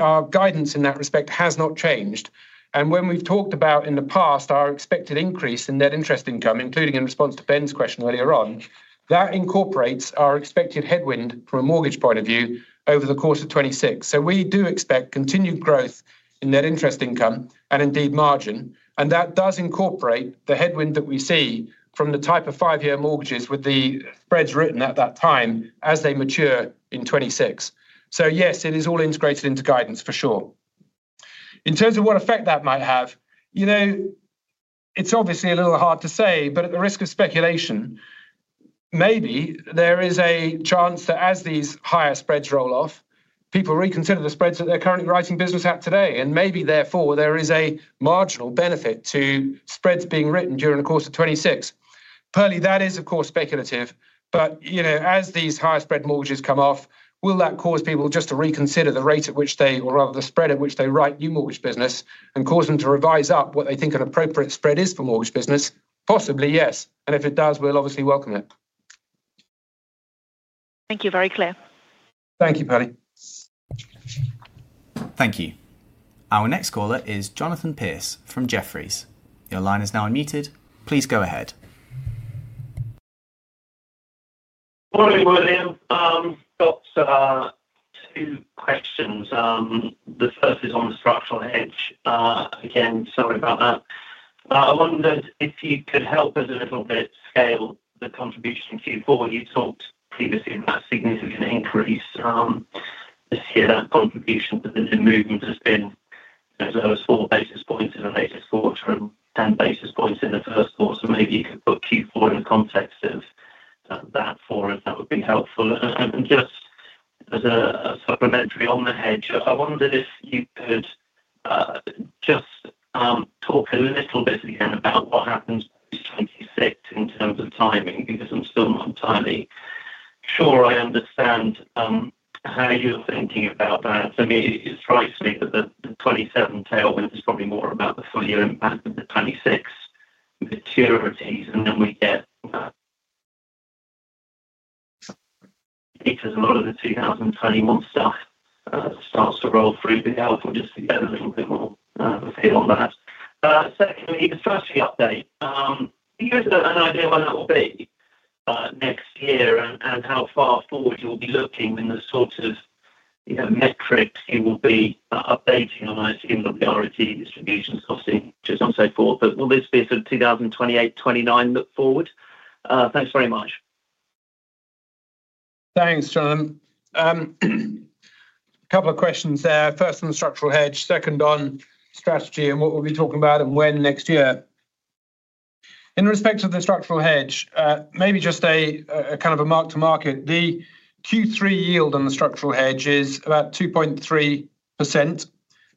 our guidance in that respect has not changed. When we've talked about in the past our expected increase in net interest income, including in response to Ben's question earlier on, that incorporates our expected headwind from a mortgage point of view over the course of 2026. We do expect continued growth in net interest income and indeed margin. That does incorporate the headwind that we see from the type of five-year mortgages with the spreads written at that time as they mature in 2026. Yes, it is all integrated into guidance for sure. In terms of what effect that might have, it's obviously a little hard to say, but at the risk of speculation, maybe there is a chance that as these higher spreads roll off, people reconsider the spreads that they're currently writing business at today. Maybe therefore there is a marginal benefit to spreads being written during the course of 2026. Clearly, that is, of course, speculative. As these higher spread mortgages come off, will that cause people just to reconsider the rate at which they, or rather the spread at which they write new mortgage business and cause them to revise up what they think an appropriate spread is for mortgage business? Possibly, yes. If it does, we'll obviously welcome it. Thank you. Very clear. Thank you, Pearlie. Thank you. Our next caller is Jonathan Pierce from Jefferies. Your line is now unmuted. Please go ahead. Morning, William. I've got two questions. The first is on the structural hedge. Again, sorry about that. I wondered if you could help us a little bit to scale the contribution in Q4. You talked previously about a significant increase this year. That contribution to the new movement has been as low as 4 basis points in the latest quarter and 10 basis points in the first quarter. Maybe you could put Q4 in the context of that for us. That would be helpful. Just as a supplementary on the hedge, I wondered if you could just talk a little bit again about what happens by 2026 in terms of timing because I'm still not entirely sure I understand how you're thinking about that. For me, it strikes me that the 2027 tailwind is probably more about the full-year impact than the 2026 maturities. We get because a lot of the 2021 stuff starts to roll through. It would be helpful just to get a little bit more of a feel on that. Secondly, the strategy update. Do you have an idea of when that will be next year and how far forward you'll be looking in the sort of metrics you will be updating on? I assume the priority distribution costing and so forth. Will this be sort of 2028, 2029 look forward? Thanks very much. Thanks, Jon. A couple of questions there. First on the structural hedge, second on strategy and what we'll be talking about and when next year. In respect of the structural hedge, maybe just a kind of a mark-to-market. The Q3 yield on the structural hedge is about 2.3%.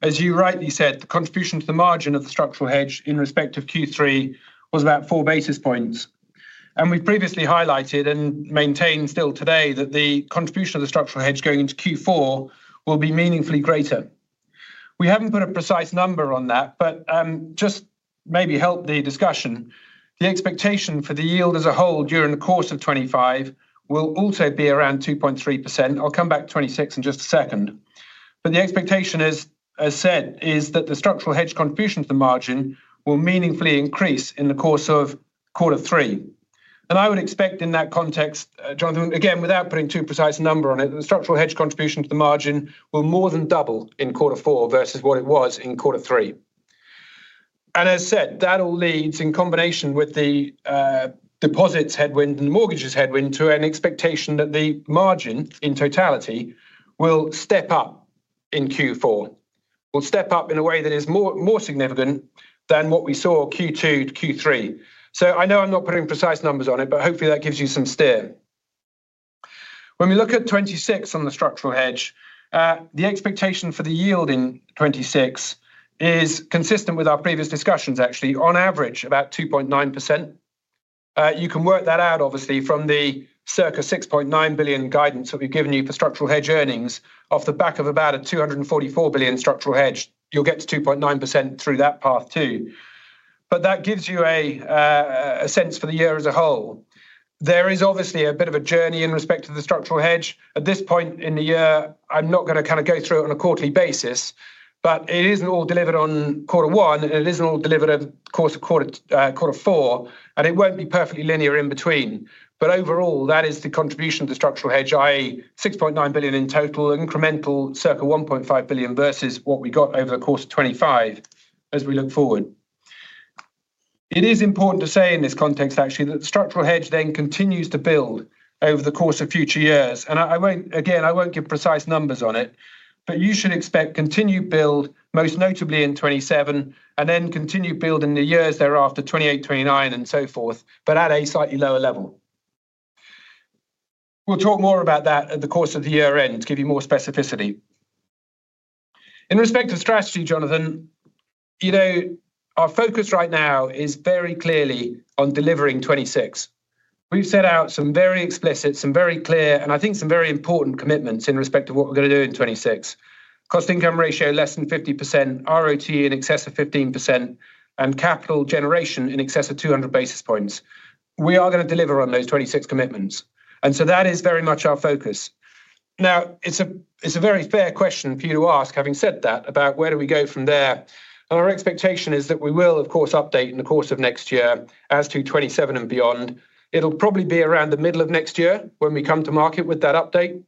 As you rightly said, the contribution to the margin of the structural hedge in respect of Q3 was about 4 basis points. We've previously highlighted and maintain still today that the contribution of the structural hedge going into Q4 will be meaningfully greater. We haven't put a precise number on that, but just maybe help the discussion. The expectation for the yield as a whole during the course of 2025 will also be around 2.3%. I'll come back to 2026 in just a second. The expectation is, as said, that the structural hedge contribution to the margin will meaningfully increase in the course of quarter three. I would expect in that context, Jonathan, again, without putting too precise a number on it, that the structural hedge contribution to the margin will more than double in quarter four versus what it was in quarter three. That all leads in combination with the deposits headwind and the mortgages headwind to an expectation that the margin in totality will step up in Q4. It will step up in a way that is more significant than what we saw Q2 to Q3. I know I'm not putting precise numbers on it, but hopefully that gives you some steer. When we look at 2026 on the structural hedge, the expectation for the yield in 2026 is consistent with our previous discussions, actually, on average about 2.9%. You can work that out, obviously, from the circa 6.9 billion guidance that we've given you for structural hedge earnings off the back of about a 244 billion structural hedge. You'll get to 2.9% through that path too. That gives you a sense for the year as a whole. There is obviously a bit of a journey in respect to the structural hedge. At this point in the year, I'm not going to kind of go through it on a quarterly basis, but it isn't all delivered on quarter one, and it isn't all delivered on the course of quarter four, and it won't be perfectly linear in between. Overall, that is the contribution of the structural hedge, i.e., 6.9 billion in total, incremental circa 1.5 billion versus what we got over the course of 2025 as we look forward. It is important to say in this context, actually, that the structural hedge then continues to build over the course of future years. I won't give precise numbers on it, but you should expect continued build, most notably in 2027, and then continued build in the years thereafter, 2028, 2029, and so forth, but at a slightly lower level. We'll talk more about that at the course of the year end to give you more specificity. In respect of strategy, Jonathan, you know our focus right now is very clearly on delivering 2026. We've set out some very explicit, some very clear, and I think some very important commitments in respect to what we're going to do in 2026. Cost-to-income ratio less than 50%, ROTE in excess of 15%, and capital generation in excess of 200 basis points. We are going to deliver on those 2026 commitments. That is very much our focus. It's a very fair question for you to ask, having said that, about where do we go from there? Our expectation is that we will, of course, update in the course of next year as to 2027 and beyond. It'll probably be around the middle of next year when we come to market with that update.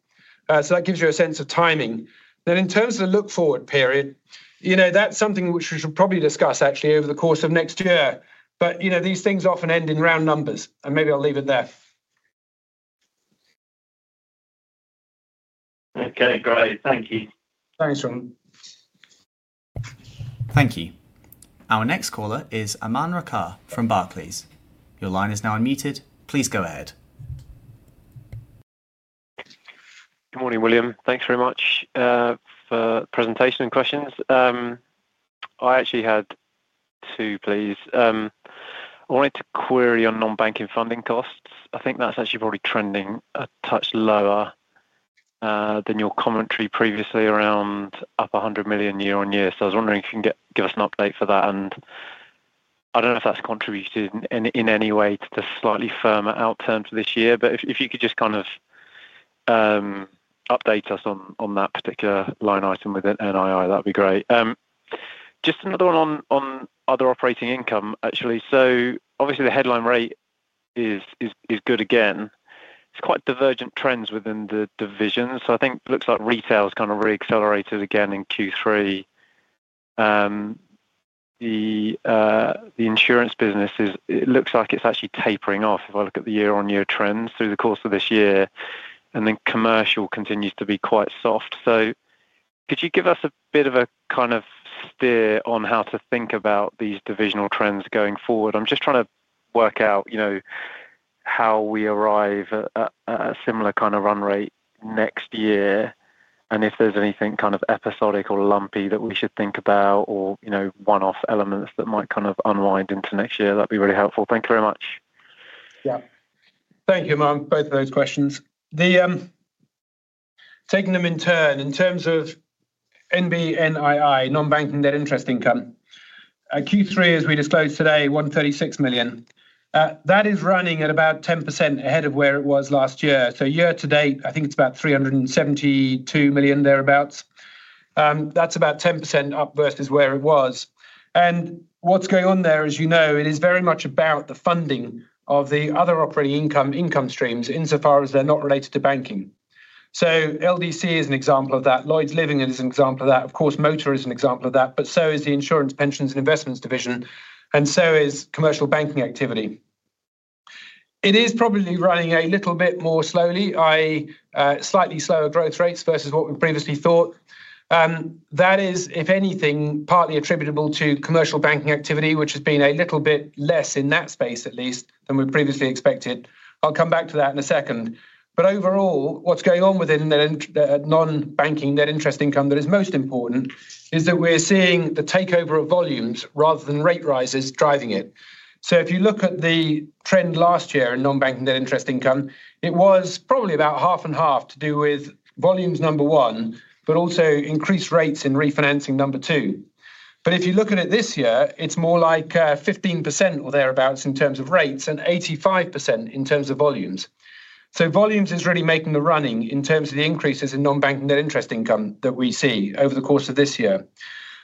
That gives you a sense of timing. In terms of the look forward period, you know that's something which we should probably discuss, actually, over the course of next year. These things often end in round numbers, and maybe I'll leave it there. Okay, great. Thank you. Thanks, Jon. Thank you. Our next caller is Aman Rakkar from Barclays. Your line is now unmuted. Please go ahead. Good morning, William. Thanks very much for the presentation and questions. I actually had two, please. I wanted to query on non-banking funding costs. I think that's actually probably trending a touch lower than your commentary previously around up 100 million year-on-year. I was wondering if you can give us an update for that. I don't know if that's contributed in any way to the slightly firmer outcome for this year, but if you could just kind of update us on that particular line item within NII, that'd be great. Just another one on other operating income, actually. Obviously, the headline rate is good again. It's quite divergent trends within the division. I think it looks like retail's kind of reaccelerated again in Q3. The insurance business looks like it's actually tapering off if I look at the year-on-year trends through the course of this year. Commercial continues to be quite soft. Could you give us a bit of a kind of steer on how to think about these divisional trends going forward? I'm just trying to work out how we arrive at a similar kind of run rate next year. If there's anything kind of episodic or lumpy that we should think about or, you know, one-off elements that might kind of unwind into next year, that'd be really helpful. Thank you very much. Yeah. Thank you, Aman, both of those questions. Taking them in turn, in terms of NB, NII, non-banking net interest income, at Q3, as we disclosed today, 136 million. That is running at about 10% ahead of where it was last year. year-to-date, I think it's about 372 million, thereabouts. That's about 10% up versus where it was. What's going on there, as you know, it is very much about the funding of the other operating income streams insofar as they're not related to banking. LDC is an example of that. Lloyds Living is an example of that. Of course, motor is an example of that, but so is the insurance, pensions and investments division, and so is commercial banking activity. It is probably running a little bit more slowly, i.e., slightly slower growth rates versus what we previously thought. That is, if anything, partly attributable to commercial banking activity, which has been a little bit less in that space, at least, than we previously expected. I'll come back to that in a second. Overall, what's going on within the non-banking net interest income that is most important is that we're seeing the takeover of volumes rather than rate rises driving it. If you look at the trend last year in non-banking net interest income, it was probably about half and half to do with volumes, number one, but also increased rates in refinancing, number two. If you look at it this year, it's more like 15% or thereabouts in terms of rates and 85% in terms of volumes. Volumes is really making the running in terms of the increases in non-banking net interest income that we see over the course of this year.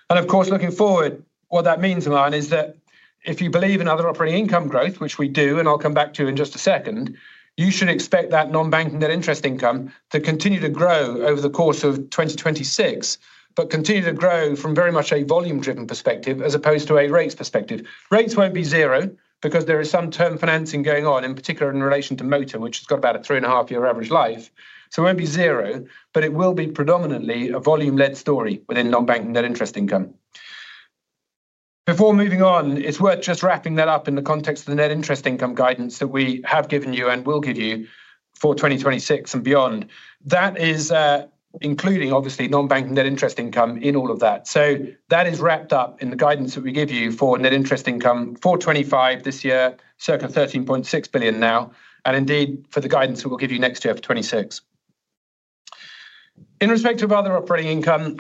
Of course, looking forward, what that means, Aman, is that if you believe in other operating income growth, which we do, and I'll come back to in just a second, you should expect that non-banking net interest income to continue to grow over the course of 2026, but continue to grow from very much a volume-driven perspective as opposed to a rates perspective. Rates won't be zero because there is some term financing going on, in particular in relation to motor, which has got about a three-and-a-half-year average life. It won't be zero, but it will be predominantly a volume-led story within non-banking net interest income. Before moving on, it's worth just wrapping that up in the context of the net interest income guidance that we have given you and will give you for 2026 and beyond. That is including, obviously, non-banking net interest income in all of that. That is wrapped up in the guidance that we give you for net interest income for 2025 this year, circa 13.6 billion now, and indeed for the guidance that we'll give you next year for 2026. In respect of other operating income,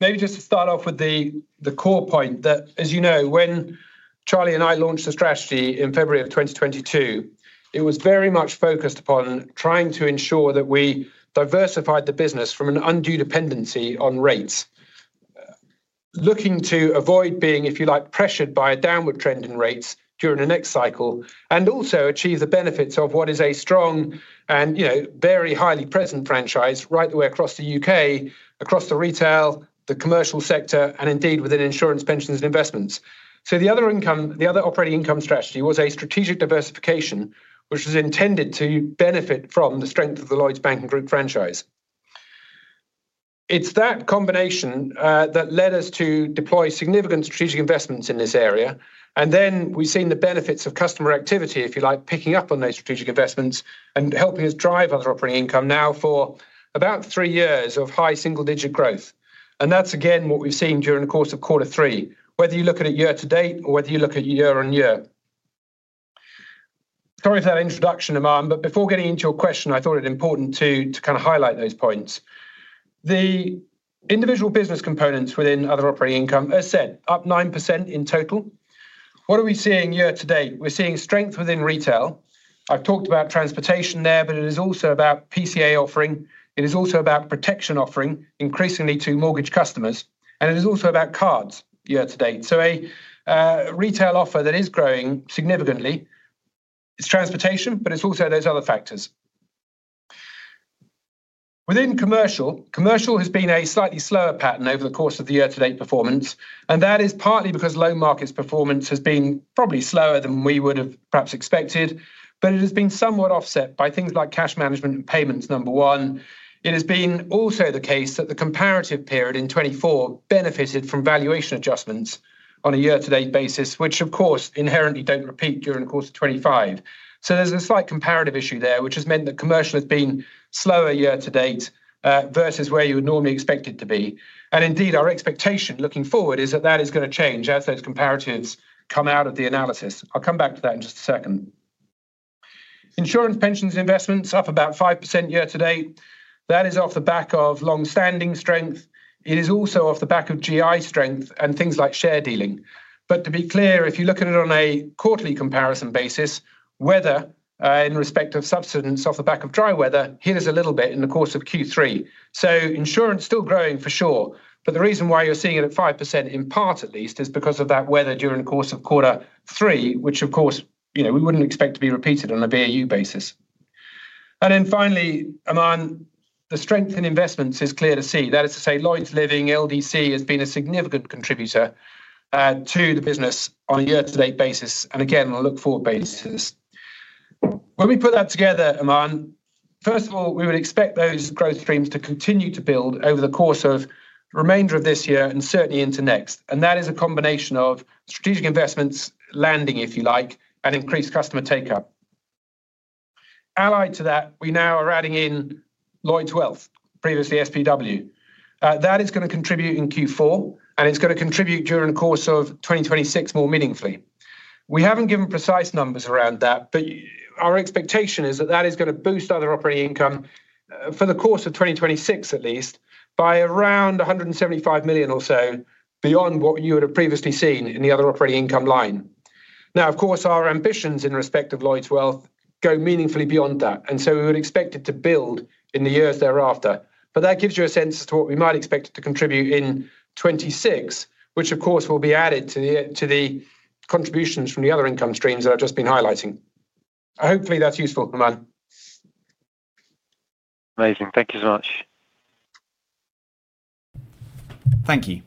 maybe just to start off with the core point that, as you know, when Charlie Nunn and I launched the strategy in February of 2022, it was very much focused upon trying to ensure that we diversified the business from an undue dependency on rates, looking to avoid being, if you like, pressured by a downward trend in rates during the next cycle, and also achieve the benefits of what is a strong and very highly present franchise right the way across the U.K., across the retail, the commercial sector, and indeed within insurance, pensions, and investments. The other operating income strategy was a strategic diversification, which was intended to benefit from the strength of the Lloyds Banking Group franchise. It's that combination that led us to deploy significant strategic investments in this area. We've seen the benefits of customer activity, if you like, picking up on those strategic investments and helping us drive other operating income now for about three years of high single-digit growth. That's, again, what we've seen during the course of quarter three, whether you look at it year-to-date or whether you look at year-on-year. Sorry for that introduction, Aman, but before getting into your question, I thought it was important to kind of highlight those points. The individual business components within other operating income, as said, up 9% in total. What are we seeing year-to-date? We're seeing strength within retail. I've talked about transportation there, but it is also about PCA offering. It is also about protection offering, increasingly to mortgage customers. It is also about cards year-to-date. A retail offer that is growing significantly is transportation, but it's also those other factors. Within commercial, commercial has been a slightly slower pattern over the course of the year-to-date performance. That is partly because loan markets performance has been probably slower than we would have perhaps expected, but it has been somewhat offset by things like cash management and payments, number one. It has been also the case that the comparative period in 2024 benefited from valuation adjustments on a year-to-date basis, which, of course, inherently don't repeat during the course of 2025. There's a slight comparative issue there, which has meant that commercial has been slower year-to-date versus where you would normally expect it to be. Indeed, our expectation looking forward is that that is going to change as those comparatives come out of the analysis. I'll come back to that in just a second. Insurance, pensions, and investments are up about 5% year-to-date. That is off the back of longstanding strength. It is also off the back of general insurance strength and things like share dealing. To be clear, if you look at it on a quarterly comparison basis, weather in respect of subsidence off the back of dry weather hit us a little bit in the course of Q3. Insurance is still growing for sure. The reason why you're seeing it at 5%, in part at least, is because of that weather during the course of quarter three, which, of course, we wouldn't expect to be repeated on a business-as-usual basis. Finally, Aman, the strength in investments is clear to see. That is to say Lloyds Living, LDC, has been a significant contributor to the business on a year-to-date basis and again on a look-forward basis. When we put that together, Aman, first of all, we would expect those growth streams to continue to build over the course of the remainder of this year and certainly into next. That is a combination of strategic investments landing, if you like, and increased customer take-up. Allied to that, we now are adding in Lloyds Wealth, previously SPW. That is going to contribute in Q4, and it's going to contribute during the course of 2026 more meaningfully. We haven't given precise numbers around that, but our expectation is that that is going to boost other operating income for the course of 2026, at least, by around 175 million or so beyond what you would have previously seen in the other operating income line. Of course, our ambitions in respect of Lloyds Wealth go meaningfully beyond that. We would expect it to build in the years thereafter. That gives you a sense as to what we might expect it to contribute in 2026, which, of course, will be added to the contributions from the other income streams that I've just been highlighting. Hopefully, that's useful, Aman. Amazing. Thank you so much. Thank you.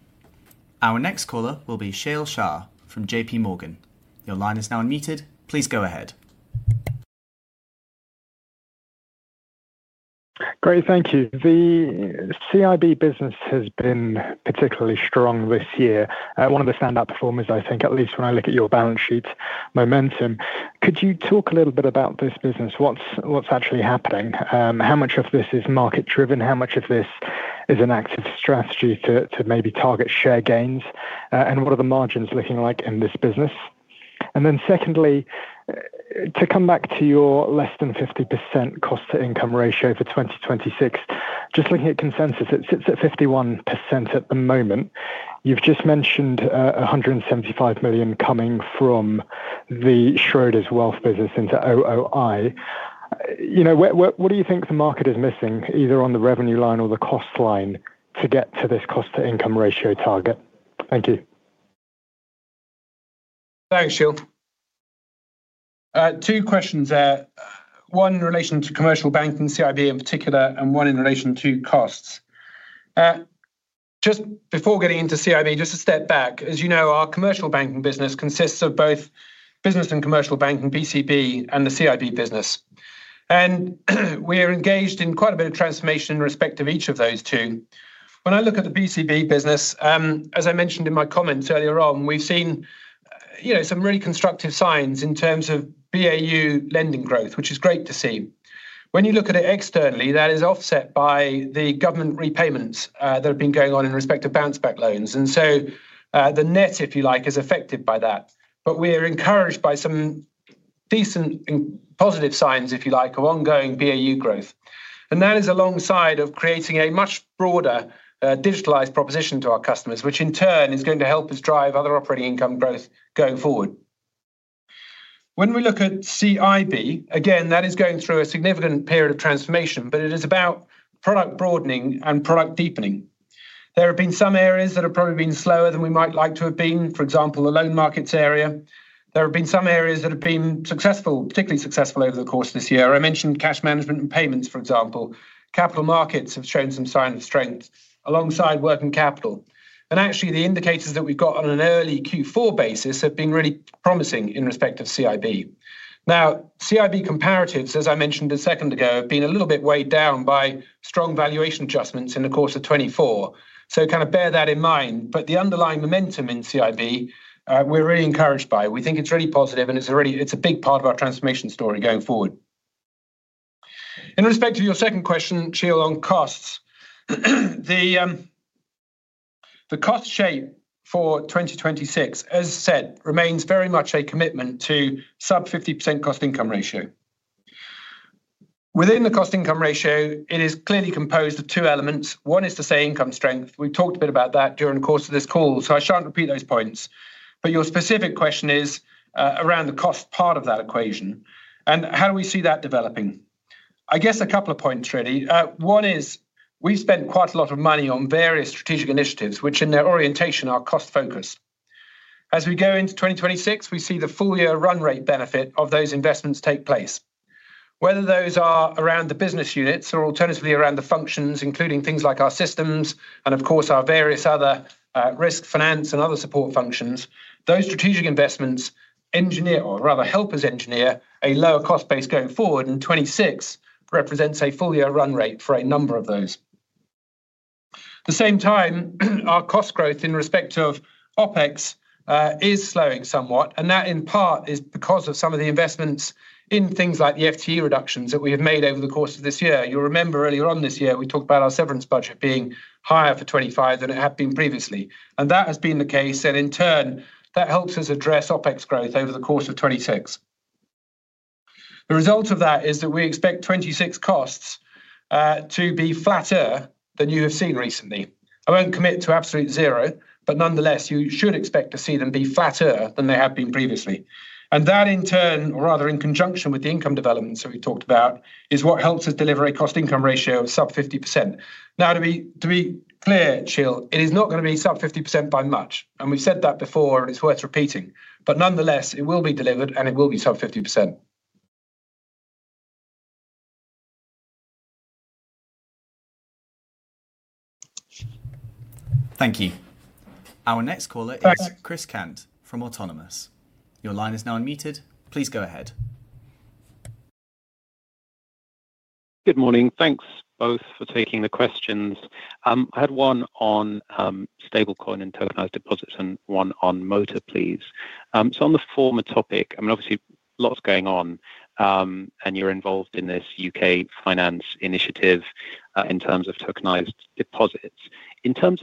Our next caller will be Sheel Shah from JPMorgan. Your line is now unmuted. Please go ahead. Great, thank you. The CIB business has been particularly strong this year. One of the standout performers, I think, at least when I look at your balance sheet momentum. Could you talk a little bit about this business? What's actually happening? How much of this is market-driven? How much of this is an active strategy to maybe target share gains? What are the margins looking like in this business? Secondly, to come back to your less than 50% cost-to-income ratio for 2026, just looking at consensus, it sits at 51% at the moment. You've just mentioned 175 million coming from the Lloyds Wealth business into OOI. What do you think the market is missing, either on the revenue line or the cost line, to get to this cost-to-income ratio target? Thank you. Thanks, Sheel. Two questions there. One in relation to commercial banking, CIB in particular, and one in relation to costs. Just before getting into CIB, just a step back. As you know, our commercial banking business consists of both business and commercial banking, BCB, and the CIB business. We are engaged in quite a bit of transformation in respect of each of those two. When I look at the BCB business, as I mentioned in my comments earlier on, we've seen some really constructive signs in terms of BAU lending growth, which is great to see. When you look at it externally, that is offset by the government repayments that have been going on in respect of bounce-back loans. The net, if you like, is affected by that. We are encouraged by some decent and positive signs, if you like, of ongoing BAU growth. That is alongside creating a much broader digitalized proposition to our customers, which in turn is going to help us drive other operating income growth going forward. When we look at CIB, again, that is going through a significant period of transformation, but it is about product broadening and product deepening. There have been some areas that have probably been slower than we might like to have been, for example, the loan markets area. There have been some areas that have been successful, particularly successful over the course of this year. I mentioned cash management and payments, for example. Capital markets have shown some sign of strength alongside working capital. The indicators that we've got on an early Q4 basis have been really promising in respect of CIB. Now, CIB comparatives, as I mentioned a second ago, have been a little bit weighed down by strong valuation adjustments in the course of 2024. Please bear that in mind. The underlying momentum in CIB, we're really encouraged by. We think it's really positive, and it's a big part of our transformation story going forward. In respect of your second question, Sheel, on costs, the cost shape for 2026, as said, remains very much a commitment to sub 50% cost-to-income ratio. Within the cost-to-income ratio, it is clearly composed of two elements. One is to say income strength. We've talked a bit about that during the course of this call. I shan't repeat those points. Your specific question is around the cost part of that equation. How do we see that developing? I guess a couple of points, really. One is we've spent quite a lot of money on various strategic initiatives, which in their orientation are cost-focused. As we go into 2026, we see the full-year run rate benefit of those investments take place. Whether those are around the business units or alternatively around the functions, including things like our systems and, of course, our various other risk finance and other support functions, those strategic investments engineer, or rather help us engineer, a lower cost base going forward in 2026 represents a full-year run rate for a number of those. At the same time, our cost growth in respect of OpEx is slowing somewhat. That in part is because of some of the investments in things like the FTE reductions that we have made over the course of this year. You'll remember earlier on this year, we talked about our severance budget being higher for 2025 than it had been previously. That has been the case. In turn, that helps us address OpEx growth over the course of 2026. The result of that is that we expect 2026 costs to be flatter than you have seen recently. I won't commit to absolute zero, but nonetheless, you should expect to see them be flatter than they have been previously. That in turn, or rather in conjunction with the income developments that we talked about, is what helps us deliver a cost-to-income ratio of sub 50%. Now, to be clear, Sheel, it is not going to be sub 50% by much. We've said that before, and it's worth repeating. Nonetheless, it will be delivered, and it will be sub 50%. Thank you. Our next caller is Chris Cant from Autonomous. Your line is now unmuted. Please go ahead. Good morning. Thanks both for taking the questions. I had one on stablecoin and tokenized deposits and one on motor, please. On the former topic, obviously, lots going on, and you're involved in this UK Finance initiative in terms of tokenized deposits. In terms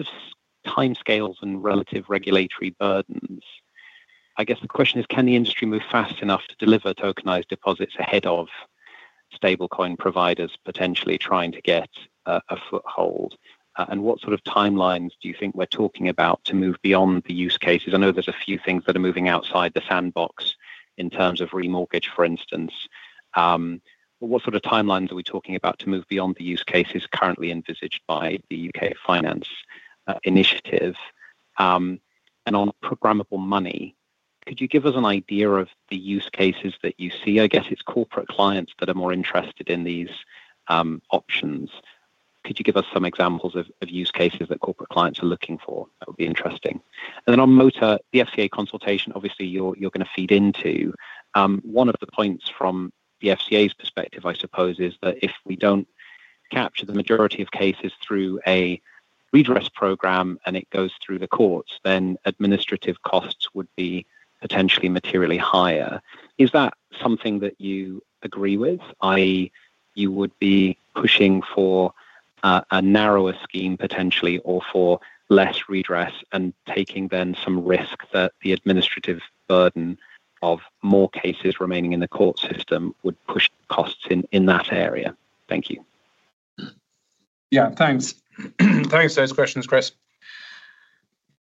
of timescales and relative regulatory burdens, I guess the question is, can the industry move fast enough to deliver tokenized deposits ahead of stablecoin providers potentially trying to get a foothold? What sort of timelines do you think we're talking about to move beyond the use cases? I know there's a few things that are moving outside the sandbox in terms of remortgage, for instance. What sort of timelines are we talking about to move beyond the use cases currently envisaged by the UK Finance initiative? On programmable money, could you give us an idea of the use cases that you see? I guess it's corporate clients that are more interested in these options. Could you give us some examples of use cases that corporate clients are looking for? That would be interesting. On motor, the FCA consultation, obviously, you're going to feed into. One of the points from the FCA's perspective, I suppose, is that if we don't capture the majority of cases through a redress program and it goes through the courts, then administrative costs would be potentially materially higher. Is that something that you agree with? I.e., you would be pushing for a narrower scheme potentially or for less redress and taking then some risk that the administrative burden of more cases remaining in the court system would push costs in that area. Thank you. Yeah, thanks. Thanks for those questions, Chris.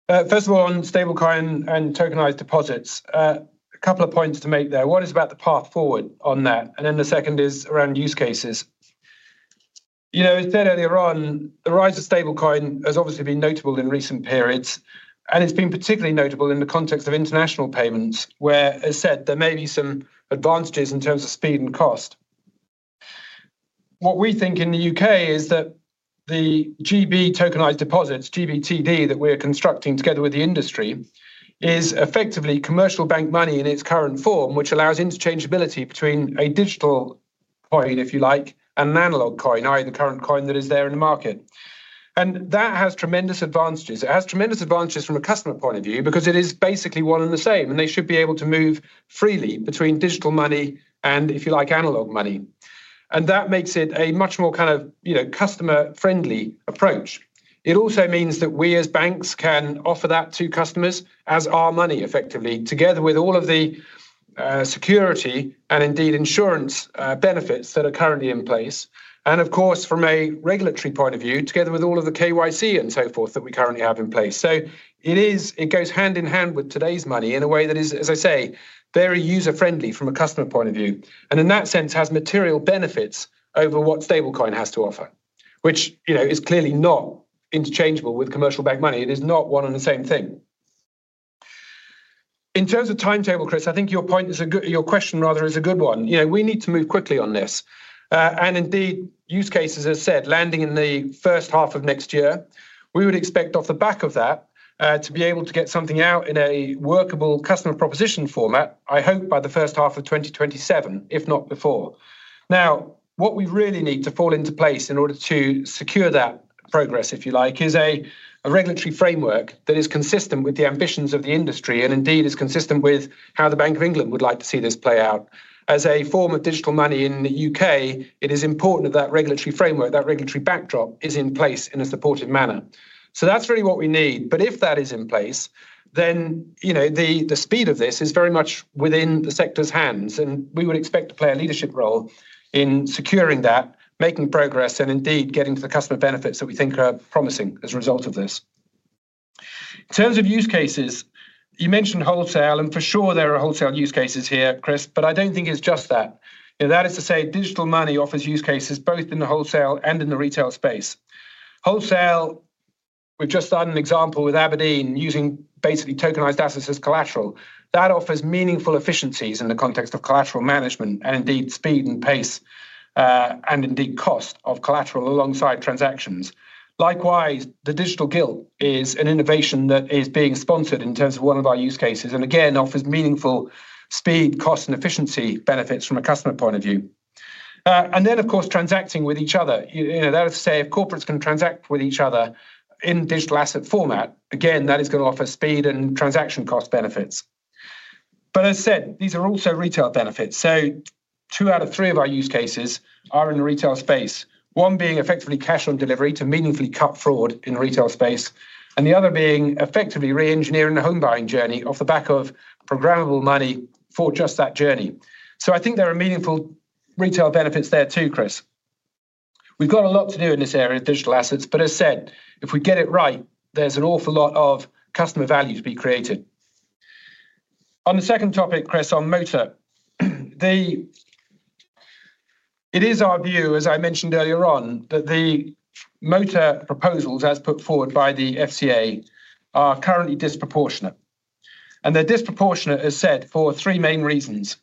First of all, on stablecoin and tokenized deposits, a couple of points to make there. One is about the path forward on that. The second is around use cases. As I said earlier on, the rise of stablecoin has obviously been notable in recent periods. It's been particularly notable in the context of international payments where, as I said, there may be some advantages in terms of speed and cost. What we think in the U.K. is that the GB Tokenized Deposits, GBTD, that we are constructing together with the industry is effectively commercial bank money in its current form, which allows interchangeability between a digital coin, if you like, and an analog coin, i.e., the current coin that is there in the market. That has tremendous advantages. It has tremendous advantages from a customer point of view because it is basically one and the same. They should be able to move freely between digital money and, if you like, analog money. That makes it a much more kind of customer-friendly approach. It also means that we as banks can offer that to customers as our money, effectively, together with all of the security and indeed insurance benefits that are currently in place. Of course, from a regulatory point of view, together with all of the KYC and so forth that we currently have in place. It goes hand in hand with today's money in a way that is, as I say, very user-friendly from a customer point of view. In that sense, it has material benefits over what stablecoin has to offer, which is clearly not interchangeable with commercial bank money. It is not one and the same thing. In terms of timetable, Chris, I think your point is good. Your question, rather, is a good one. We need to move quickly on this. Indeed, use cases, as I said, landing in the first half of next year, we would expect off the back of that to be able to get something out in a workable customer proposition format, I hope by the first half of 2027, if not before. What we really need to fall into place in order to secure that progress, if you like, is a regulatory framework that is consistent with the ambitions of the industry and indeed is consistent with how the Bank of England would like to see this play out. As a form of digital money in the U.K., it is important that that regulatory framework, that regulatory backdrop is in place in a supportive manner. That's really what we need. If that is in place, then the speed of this is very much within the sector's hands. We would expect to play a leadership role in securing that, making progress, and indeed getting to the customer benefits that we think are promising as a result of this. In terms of use cases, you mentioned wholesale, and for sure there are wholesale use cases here, Chris, but I don't think it's just that. That is to say digital money offers use cases both in the wholesale and in the retail space. Wholesale, we've just done an example with abrdn using basically tokenized assets as collateral. That offers meaningful efficiencies in the context of collateral management and indeed speed and pace, and indeed cost of collateral alongside transactions. Likewise, the digital gilt is an innovation that is being sponsored in terms of one of our use cases and again offers meaningful speed, cost, and efficiency benefits from a customer point of view. Of course, transacting with each other, that is to say if corporate is going to transact with each other in digital asset format, again, that is going to offer speed and transaction cost benefits. As I said, these are also retail benefits. Two out of three of our use cases are in the retail space, one being effectively cash on delivery to meaningfully cut fraud in the retail space, and the other being effectively re-engineering the home buying journey off the back of programmable money for just that journey. I think there are meaningful retail benefits there too, Chris. We've got a lot to do in this area of digital assets, but as I said, if we get it right, there's an awful lot of customer value to be created. On the second topic, Chris, on motor finance remediation. It is our view, as I mentioned earlier on, that the motor finance remediation proposals as put forward by the FCA are currently disproportionate. They're disproportionate, as I said, for three main reasons.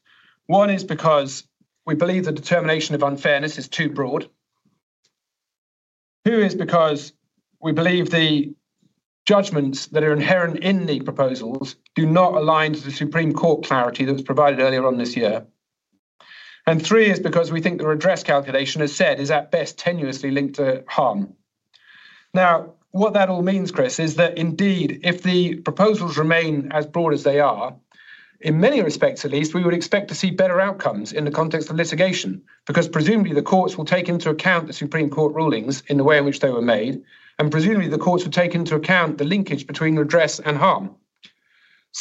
One is because we believe the determination of unfairness is too broad. Two is because we believe the judgments that are inherent in the proposals do not align to the Supreme Court clarity that was provided earlier on this year. Three is because we think the redress calculation, as I said, is at best tenuously linked to harm. What that all means, Chris, is that indeed, if the proposals remain as broad as they are, in many respects at least, we would expect to see better outcomes in the context of litigation because presumably the courts will take into account the Supreme Court rulings in the way in which they were made, and presumably the courts will take into account the linkage between redress and harm.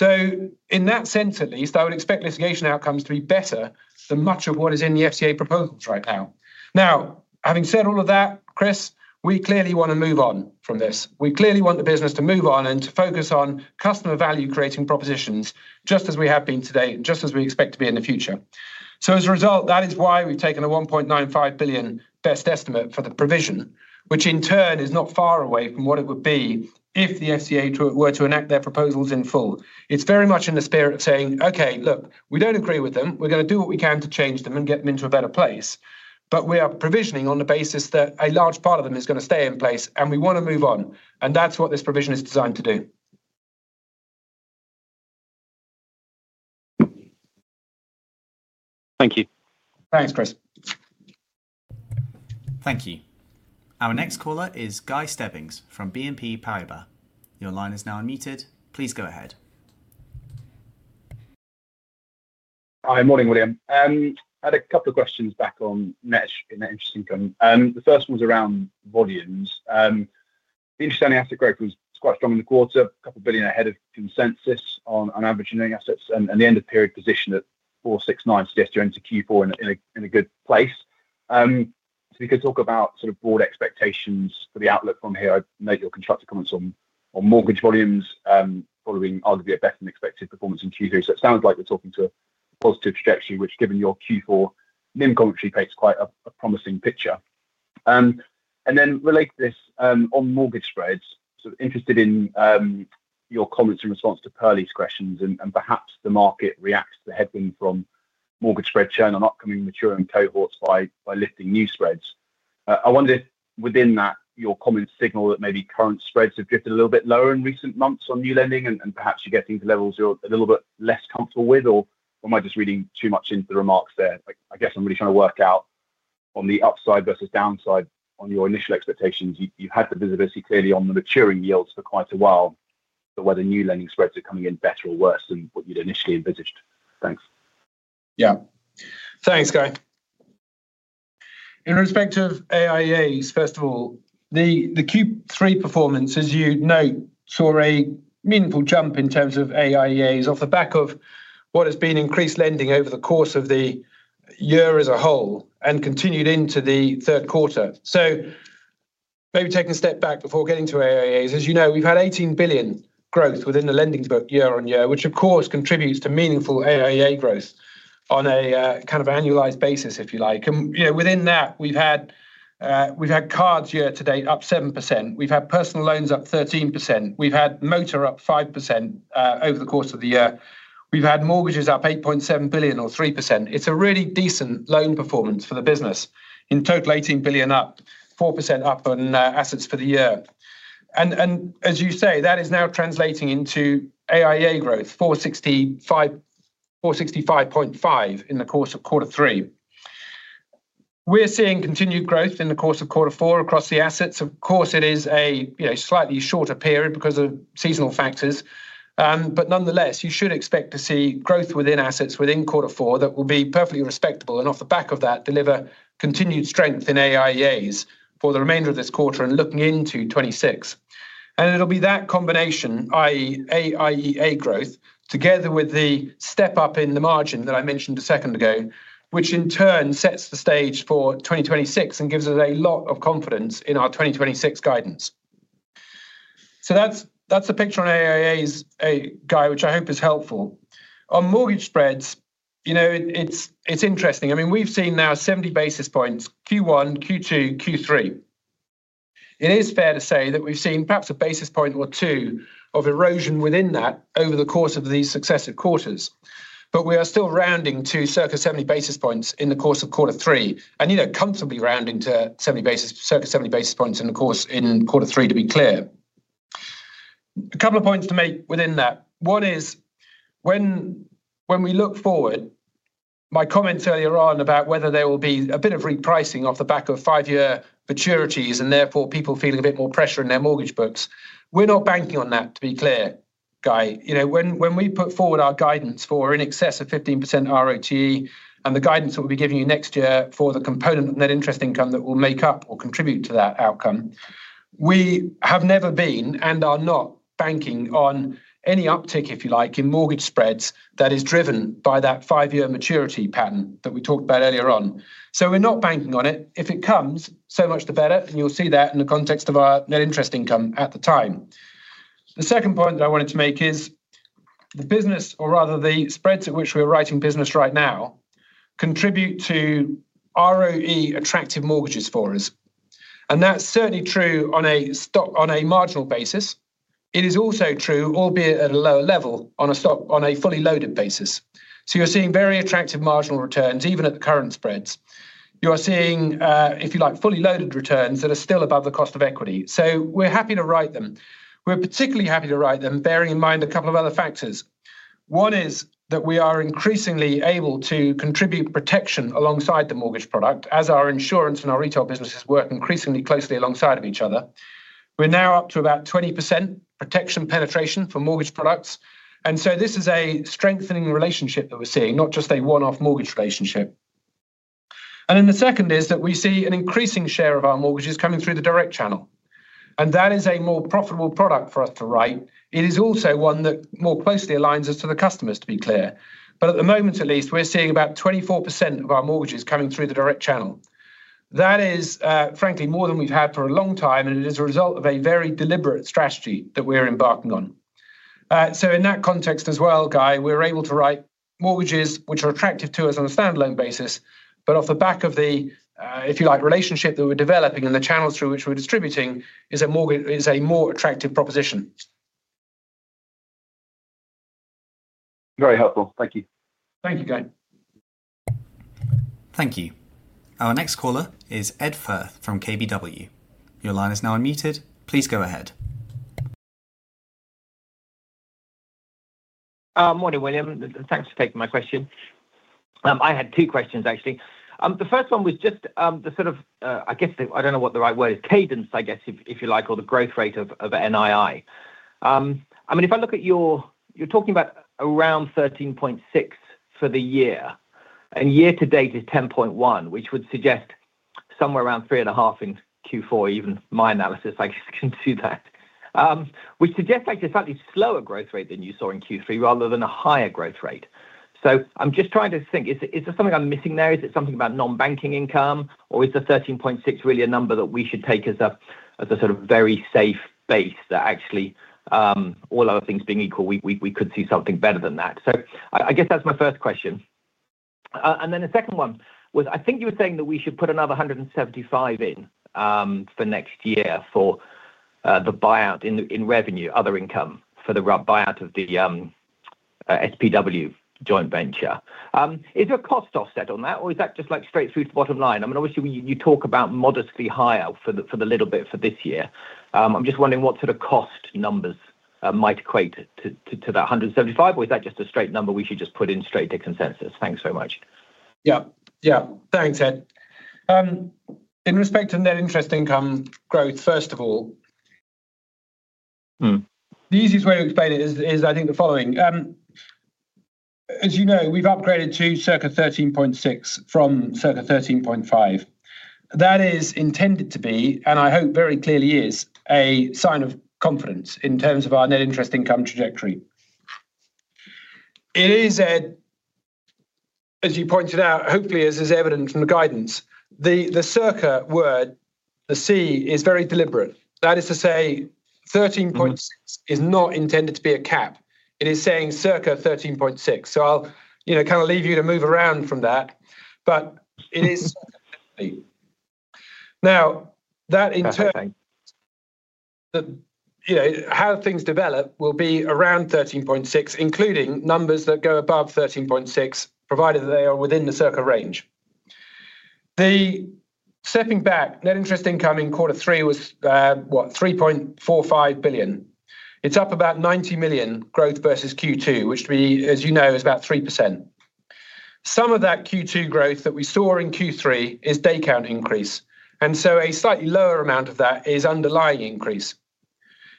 In that sense at least, I would expect litigation outcomes to be better than much of what is in the FCA proposals right now. Having said all of that, Chris, we clearly want to move on from this. We clearly want the business to move on and to focus on customer value-creating propositions just as we have been today and just as we expect to be in the future. As a result, that is why we've taken a 1.95 billion best estimate for the provision, which in turn is not far away from what it would be if the FCA were to enact their proposals in full. It's very much in the spirit of saying, "OK, look, we don't agree with them. We're going to do what we can to change them and get them into a better place. We are provisioning on the basis that a large part of them is going to stay in place, and we want to move on." That's what this provision is designed to do. Thank you. Thanks, Chris. Thank you. Our next caller is Guy Stebbings from BNP Paribas. Your line is now unmuted. Please go ahead. Hi, morning, William. I had a couple of questions back on NIM and that interest income. The first one was around volumes. The interest on the asset growth was quite strong in the quarter, a couple billion ahead of consensus on average in owning assets, and the end-of-period position at 469 billion into Q4 in a good place. If you could talk about sort of broad expectations for the outlook from here. I note your constructive comments on mortgage volumes following, arguably, a better than expected performance in Q3. It sounds like we're talking to a positive trajectory, which, given your Q4 NIM commentary, paints quite a promising picture. Related to this on mortgage spreads, interested in your comments in response to Pearlie's questions and perhaps the market reacts to the headwind from mortgage spread churn on upcoming maturing cohorts by lifting new spreads. I wonder if within that your comments signal that maybe current spreads have drifted a little bit lower in recent months on new lending and perhaps you're getting to levels you're a little bit less comfortable with, or am I just reading too much into the remarks there? I guess I'm really trying to work out on the upside versus downside on your initial expectations. You've had the visibility clearly on the maturing yields for quite a while, but whether new lending spreads are coming in better or worse than what you'd initially envisaged. Thanks. Yeah. Thanks, Guy. In respect of AIEAs, first of all, the Q3 performance, as you note, saw a meaningful jump in terms of AIEAs off the back of what has been increased lending over the course of the year as a whole and continued into the third quarter. Maybe taking a step back before getting to AIEAs, as you know, we've had 18 billion growth within the lending book year-on-year, which, of course, contributes to meaningful AIEA growth on a kind of annualized basis, if you like. Within that, we've had cards year-to-date up 7%. We've had personal loans up 13%. We've had motor up 5% over the course of the year. We've had mortgages up 8.7 billion or 3%. It's a really decent loan performance for the business. In total, 18 billion up, 4% up on assets for the year. As you say, that is now translating into AIEA growth, 465.5 million in the course of quarter three. We're seeing continued growth in the course of quarter four across the assets. Of course, it is a slightly shorter period because of seasonal factors. Nonetheless, you should expect to see growth within assets within quarter four that will be perfectly respectable and off the back of that deliver continued strength in AIEAs for the remainder of this quarter and looking into 2026. It'll be that combination, i.e., AIEA growth together with the step up in the margin that I mentioned a second ago, which in turn sets the stage for 2026 and gives us a lot of confidence in our 2026 guidance. That's the picture on AIEAs, Guy, which I hope is helpful. On mortgage spreads, you know it's interesting. We've seen now 70 basis points Q1, Q2, Q3. It is fair to say that we've seen perhaps 1 basis point or 2 basis points of erosion within that over the course of these successive quarters. We are still rounding to circa 70 basis points in the course of quarter three, and you know comfortably rounding to circa 70 basis points in the course in quarter three, to be clear. A couple of points to make within that. One is when we look forward, my comments earlier on about whether there will be a bit of repricing off the back of five-year maturities and therefore people feeling a bit more pressure in their mortgage books, we're not banking on that, to be clear, Guy. When we put forward our guidance for in excess of 15% ROTE and the guidance that we'll be giving you next year for the component of net interest income that will make up or contribute to that outcome, we have never been and are not banking on any uptick, if you like, in mortgage spreads that is driven by that five-year maturity pattern that we talked about earlier on. We're not banking on it. If it comes, so much the better, and you'll see that in the context of our net interest income at the time. The second point that I wanted to make is the business, or rather the spreads at which we are writing business right now, contribute to ROTE attractive mortgages for us. That's certainly true on a marginal basis. It is also true, albeit at a lower level, on a fully loaded basis. You're seeing very attractive marginal returns, even at the current spreads. You are seeing, if you like, fully loaded returns that are still above the cost of equity. We're happy to write them. We're particularly happy to write them, bearing in mind a couple of other factors. One is that we are increasingly able to contribute protection alongside the mortgage product, as our insurance and our retail businesses work increasingly closely alongside of each other. We're now up to about 20% protection penetration for mortgage products. This is a strengthening relationship that we're seeing, not just a one-off mortgage relationship. The second is that we see an increasing share of our mortgages coming through the direct channel. That is a more profitable product for us to write. It is also one that more closely aligns us to the customers, to be clear. At the moment, at least, we're seeing about 24% of our mortgages coming through the direct channel. That is, frankly, more than we've had for a long time, and it is a result of a very deliberate strategy that we're embarking on. In that context as well, Guy, we're able to write mortgages which are attractive to us on a standalone basis, but off the back of the, if you like, relationship that we're developing and the channels through which we're distributing, is a more attractive proposition. Very helpful. Thank you. Thank you, Guy. Thank you. Our next caller is Ed Firth from KBW. Your line is now unmuted. Please go ahead. Morning, William. Thanks for taking my question. I had two questions, actually. The first one was just the sort of, I guess I don't know what the right word is, cadence, I guess, if you like, or the growth rate of NII. I mean, if I look at your, you're talking about around 13.6 billion for the year, and year-to-date is 10.1%, which would suggest somewhere around 3.5% in Q4, even my analysis, I can see that, which suggests actually a slightly slower growth rate than you saw in Q3, rather than a higher growth rate. I'm just trying to think, is there something I'm missing there? Is it something about non-banking income, or is the 13.6 billion really a number that we should take as a sort of very safe base that actually, all other things being equal, we could see something better than that? I guess that's my first question. The second one was, I think you were saying that we should put another 175% in for next year for the buyout in revenue, other income for the buyout of the SPW joint venture. Is there a cost offset on that, or is that just like straight through to the bottom line? Obviously, you talk about modestly higher for the little bit for this year. I'm just wondering what sort of cost numbers might equate to that 175%, or is that just a straight number we should just put in straight to consensus? Thanks very much. Yeah, yeah. Thanks, Ed. In respect to net interest income growth, first of all, the easiest way to explain it is, I think, the following. As you know, we've upgraded to circa 13.6 billion from circa 13.5 billion. That is intended to be, and I hope very clearly is, a sign of confidence in terms of our net interest income trajectory. It is, as you pointed out, hopefully as is evident from the guidance, the circa word, the C, is very deliberate. That is to say, 13.6 billion is not intended to be a cap. It is saying circa 13.6 billion. I'll kind of leave you to move around from that. It is circa GBP 13 billion. That in turn, how things develop will be around 13.6 billion, including numbers that go above 13.6 billion, provided that they are within the circa range. Stepping back, net interest income in quarter three was, what, 3.45 billion. It's up about 90 million growth versus Q2, which, as you know, is about 3%. Some of that Q2 growth that we saw in Q3 is day count increase, and a slightly lower amount of that is underlying increase.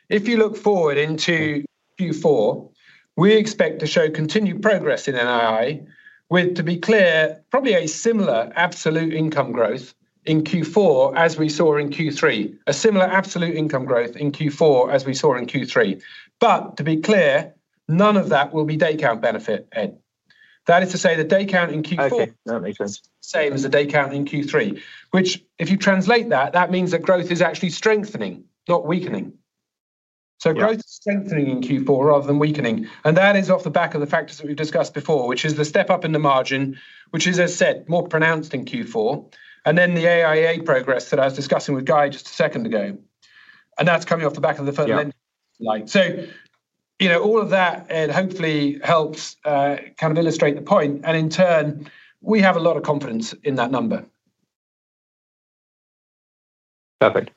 If you look forward into Q4, we expect to show continued progress in NII with, to be clear, probably a similar absolute income growth in Q4 as we saw in Q3, a similar absolute income growth in Q4 as we saw in Q3. To be clear, none of that will be day count benefit, Ed. That is to say, the day count in Q4. That makes sense. Same as the day count in Q3, which, if you translate that, means that growth is actually strengthening, not weakening. Growth is strengthening in Q4 rather than weakening. That is off the back of the factors that we've discussed before, which is the step up in the margin, which is, as I said, more pronounced in Q4, and then the AIEA progress that I was discussing with Guy just a second ago. That's coming off the back of the fundamentals. All of that, Ed, hopefully helps kind of illustrate the point. In turn, we have a lot of confidence in that number. Perfect.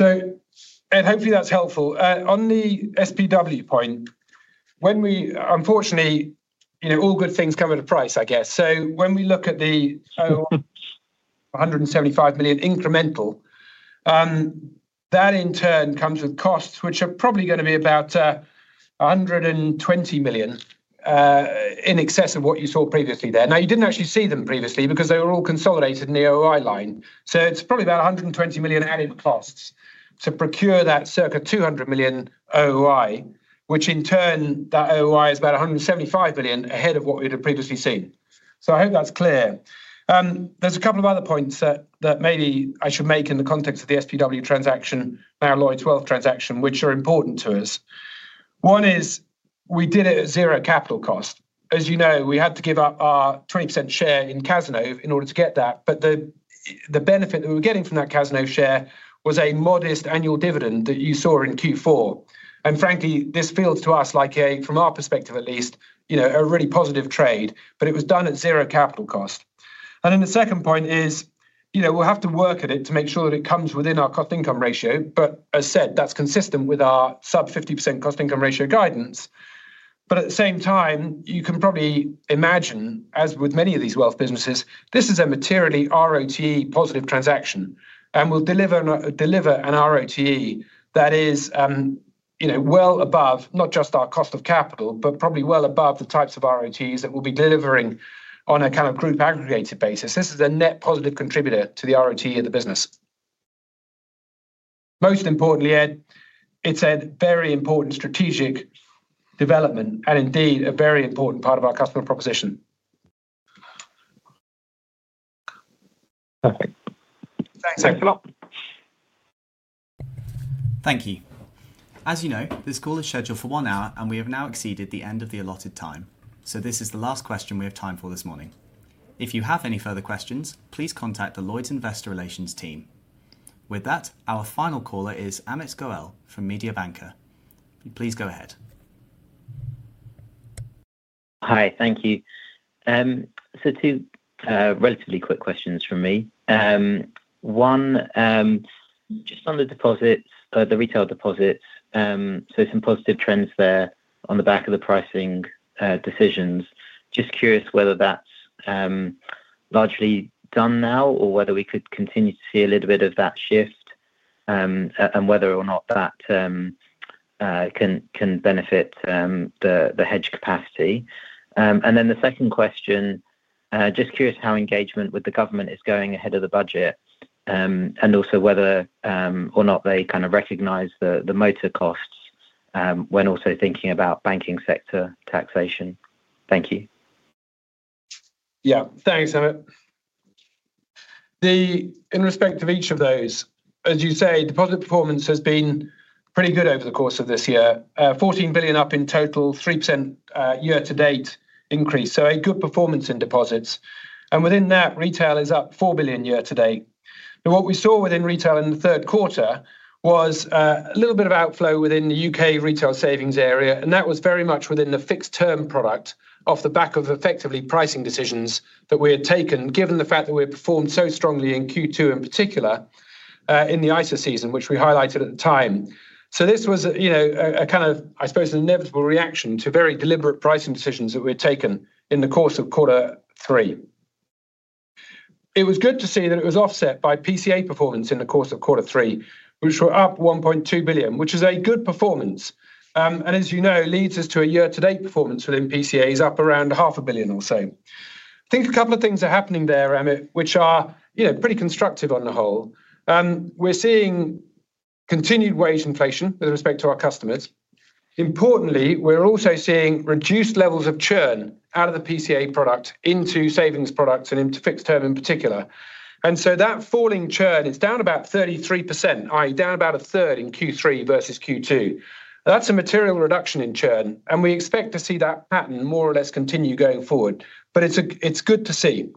Ed, hopefully that's helpful. On the SPW point, unfortunately, all good things come at a price, I guess. When we look at the $175 million incremental, that in turn comes with costs, which are probably going to be about $120 million in excess of what you saw previously there. You didn't actually see them previously because they were all consolidated in the OOI line. It's probably about $120 million added costs to procure that circa $200 million OOI, which in turn, that OOI is about $175 million ahead of what we'd previously seen. I hope that's clear. There are a couple of other points that maybe I should make in the context of the SPW transaction, now Lloyds Wealth transaction, which are important to us. One is we did it at zero capital cost. As you know, we had to give up our 20% share in Cazenove in order to get that. The benefit that we were getting from that Cazenove share was a modest annual dividend that you saw in Q4. Frankly, this feels to us like, from our perspective at least, a really positive trade. It was done at zero capital cost. The second point is we'll have to work at it to make sure that it comes within our cost-to-income ratio. As I said, that's consistent with our sub-50% cost-to-income ratio guidance. At the same time, you can probably imagine, as with many of these wealth businesses, this is a materially ROTE positive transaction. We'll deliver a ROTE that is well above, not just our cost of capital, but probably well above the types of ROTEs that we'll be delivering on a kind of group aggregated basis. This is a net positive contributor to the ROTE of the business. Most importantly, Ed, it's a very important strategic development and indeed a very important part of our customer proposition. Perfect. Thanks, Ed. Thank you. Thank you. As you know, this call is scheduled for one hour, and we have now exceeded the end of the allotted time. This is the last question we have time for this morning. If you have any further questions, please contact the Lloyds Investor Relations team. With that, our final caller is Amit Goel from Mediobanca. Please go ahead. Hi, thank you. Two relatively quick questions from me. One, just on the deposits, the retail deposits, some positive trends there on the back of the pricing decisions. Just curious whether that's largely done now or whether we could continue to see a little bit of that shift and whether or not that can benefit the hedge capacity. The second question, just curious how engagement with the government is going ahead of the budget and also whether or not they kind of recognize the motor costs when also thinking about banking sector taxation. Thank you. Yeah, thanks, Amit. In respect of each of those, as you say, deposit performance has been pretty good over the course of this year. 14 billion up in total, 3% year-to-date increase. A good performance in deposits. Within that, retail is up 4 billion year-to-date. What we saw within retail in the third quarter was a little bit of outflow within the U.K. retail savings area. That was very much within the fixed term product off the back of effectively pricing decisions that we had taken, given the fact that we had performed so strongly in Q2, in particular in the ISA season, which we highlighted at the time. This was, I suppose, an inevitable reaction to very deliberate pricing decisions that we had taken in the course of quarter three. It was good to see that it was offset by PCA performance in the course of quarter three, which were up 1.2 billion, which is a good performance. As you know, leads us to a year-to-date performance within PCA is up around 500,000,000 or so. I think a couple of things are happening there, Amit, which are pretty constructive on the whole. We're seeing continued wage inflation with respect to our customers. Importantly, we're also seeing reduced levels of churn out of the PCA product into savings products and into fixed term in particular. That falling churn, it's down about 33%, i.e., down about a third in Q3 versus Q2. That's a material reduction in churn. We expect to see that pattern more or less continue going forward. It's good to see.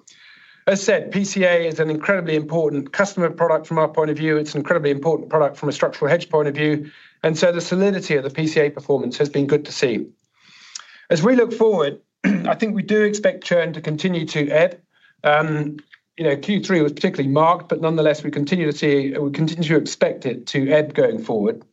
As I said, PCA is an incredibly important customer product from our point of view. It's an incredibly important product from a structural hedge point of view. The solidity of the PCA performance has been good to see. As we look forward, I think we do expect churn to continue to add. Q3 was particularly marked, but nonetheless, we continue to see, we continue to expect it to add going forward.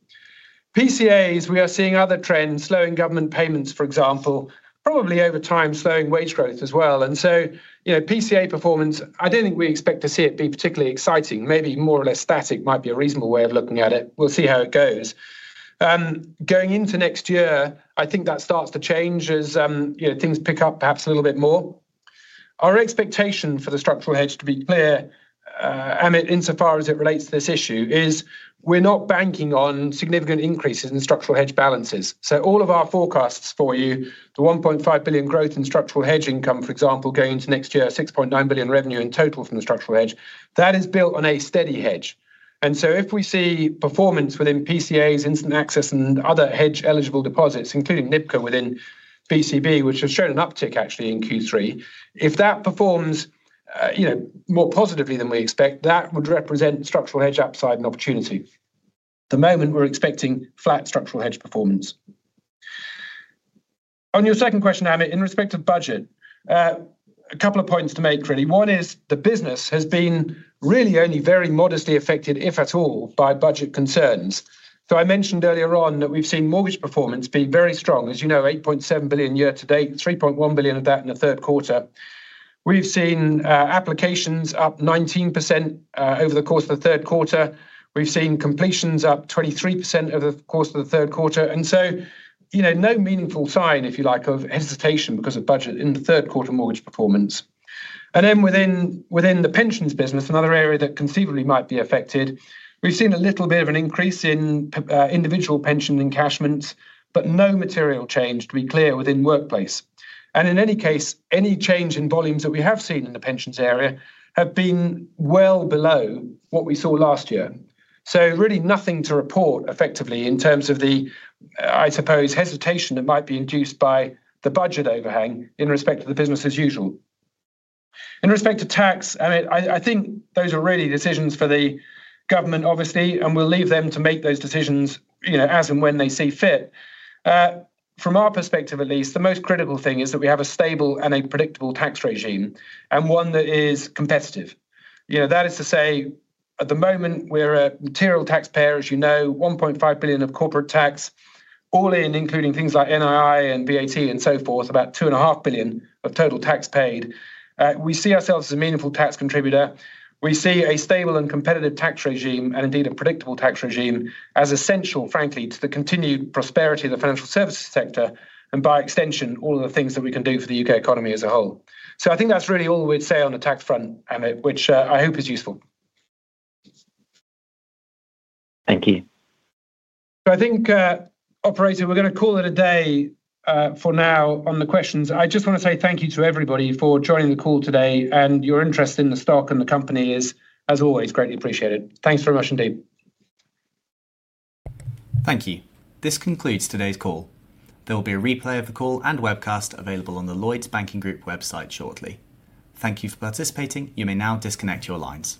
PCAs, we are seeing other trends, slowing government payments, for example, probably over time slowing wage growth as well. PCA performance, I don't think we expect to see it be particularly exciting. Maybe more or less static might be a reasonable way of looking at it. We'll see how it goes. Going into next year, I think that starts to change as things pick up perhaps a little bit more. Our expectation for the structural hedge, to be clear, Amit, insofar as it relates to this issue, is we're not banking on significant increases in structural hedge balances. All of our forecasts for you, the 1.5 billion growth in structural hedge income, for example, going into next year, 6.9 billion revenue in total from the structural hedge, that is built on a steady hedge. If we see performance within PCAs, instant access, and other hedge eligible deposits, including NIBCO within BCB, which has shown an uptick actually in Q3, if that performs more positively than we expect, that would represent structural hedge upside and opportunity. At the moment, we're expecting flat structural hedge performance. On your second question, Amit, in respect of budget, a couple of points to make, really. One is the business has been really only very modestly affected, if at all, by budget concerns. I mentioned earlier on that we've seen mortgage performance be very strong. As you know, 8.7 billion year-to-date, 3.1 billion of that in the third quarter. We've seen applications up 19% over the course of the third quarter. We've seen completions up 23% over the course of the third quarter. No meaningful sign, if you like, of hesitation because of budget in the third quarter mortgage performance. Within the pensions business, another area that conceivably might be affected, we've seen a little bit of an increase in individual pension encashments, but no material change, to be clear, within the workplace. In any case, any change in volumes that we have seen in the pensions area have been well below what we saw last year. Really nothing to report effectively in terms of the, I suppose, hesitation that might be induced by the budget overhang in respect to the business as usual. In respect to tax, Amit, I think those are really decisions for the government, obviously, and we'll leave them to make those decisions as and when they see fit. From our perspective, at least, the most critical thing is that we have a stable and a predictable tax regime and one that is competitive. That is to say, at the moment, we're a material taxpayer, as you know, 1.5 billion of corporate tax, all in, including things like NII and VAT and so forth, about 2.5 billion of total tax paid. We see ourselves as a meaningful tax contributor. We see a stable and competitive tax regime, and indeed a predictable tax regime, as essential, frankly, to the continued prosperity of the financial services sector and by extension, all of the things that we can do for the U.K. economy as a whole. I think that's really all we'd say on the tax front, Amit, which I hope is useful. Thank you. I think, operator, we're going to call it a day for now on the questions. I just want to say thank you to everybody for joining the call today, and your interest in the stock and the company is, as always, greatly appreciated. Thanks very much indeed. Thank you. This concludes today's call. There will be a replay of the call and webcast available on the Lloyds Banking Group website shortly. Thank you for participating. You may now disconnect your lines.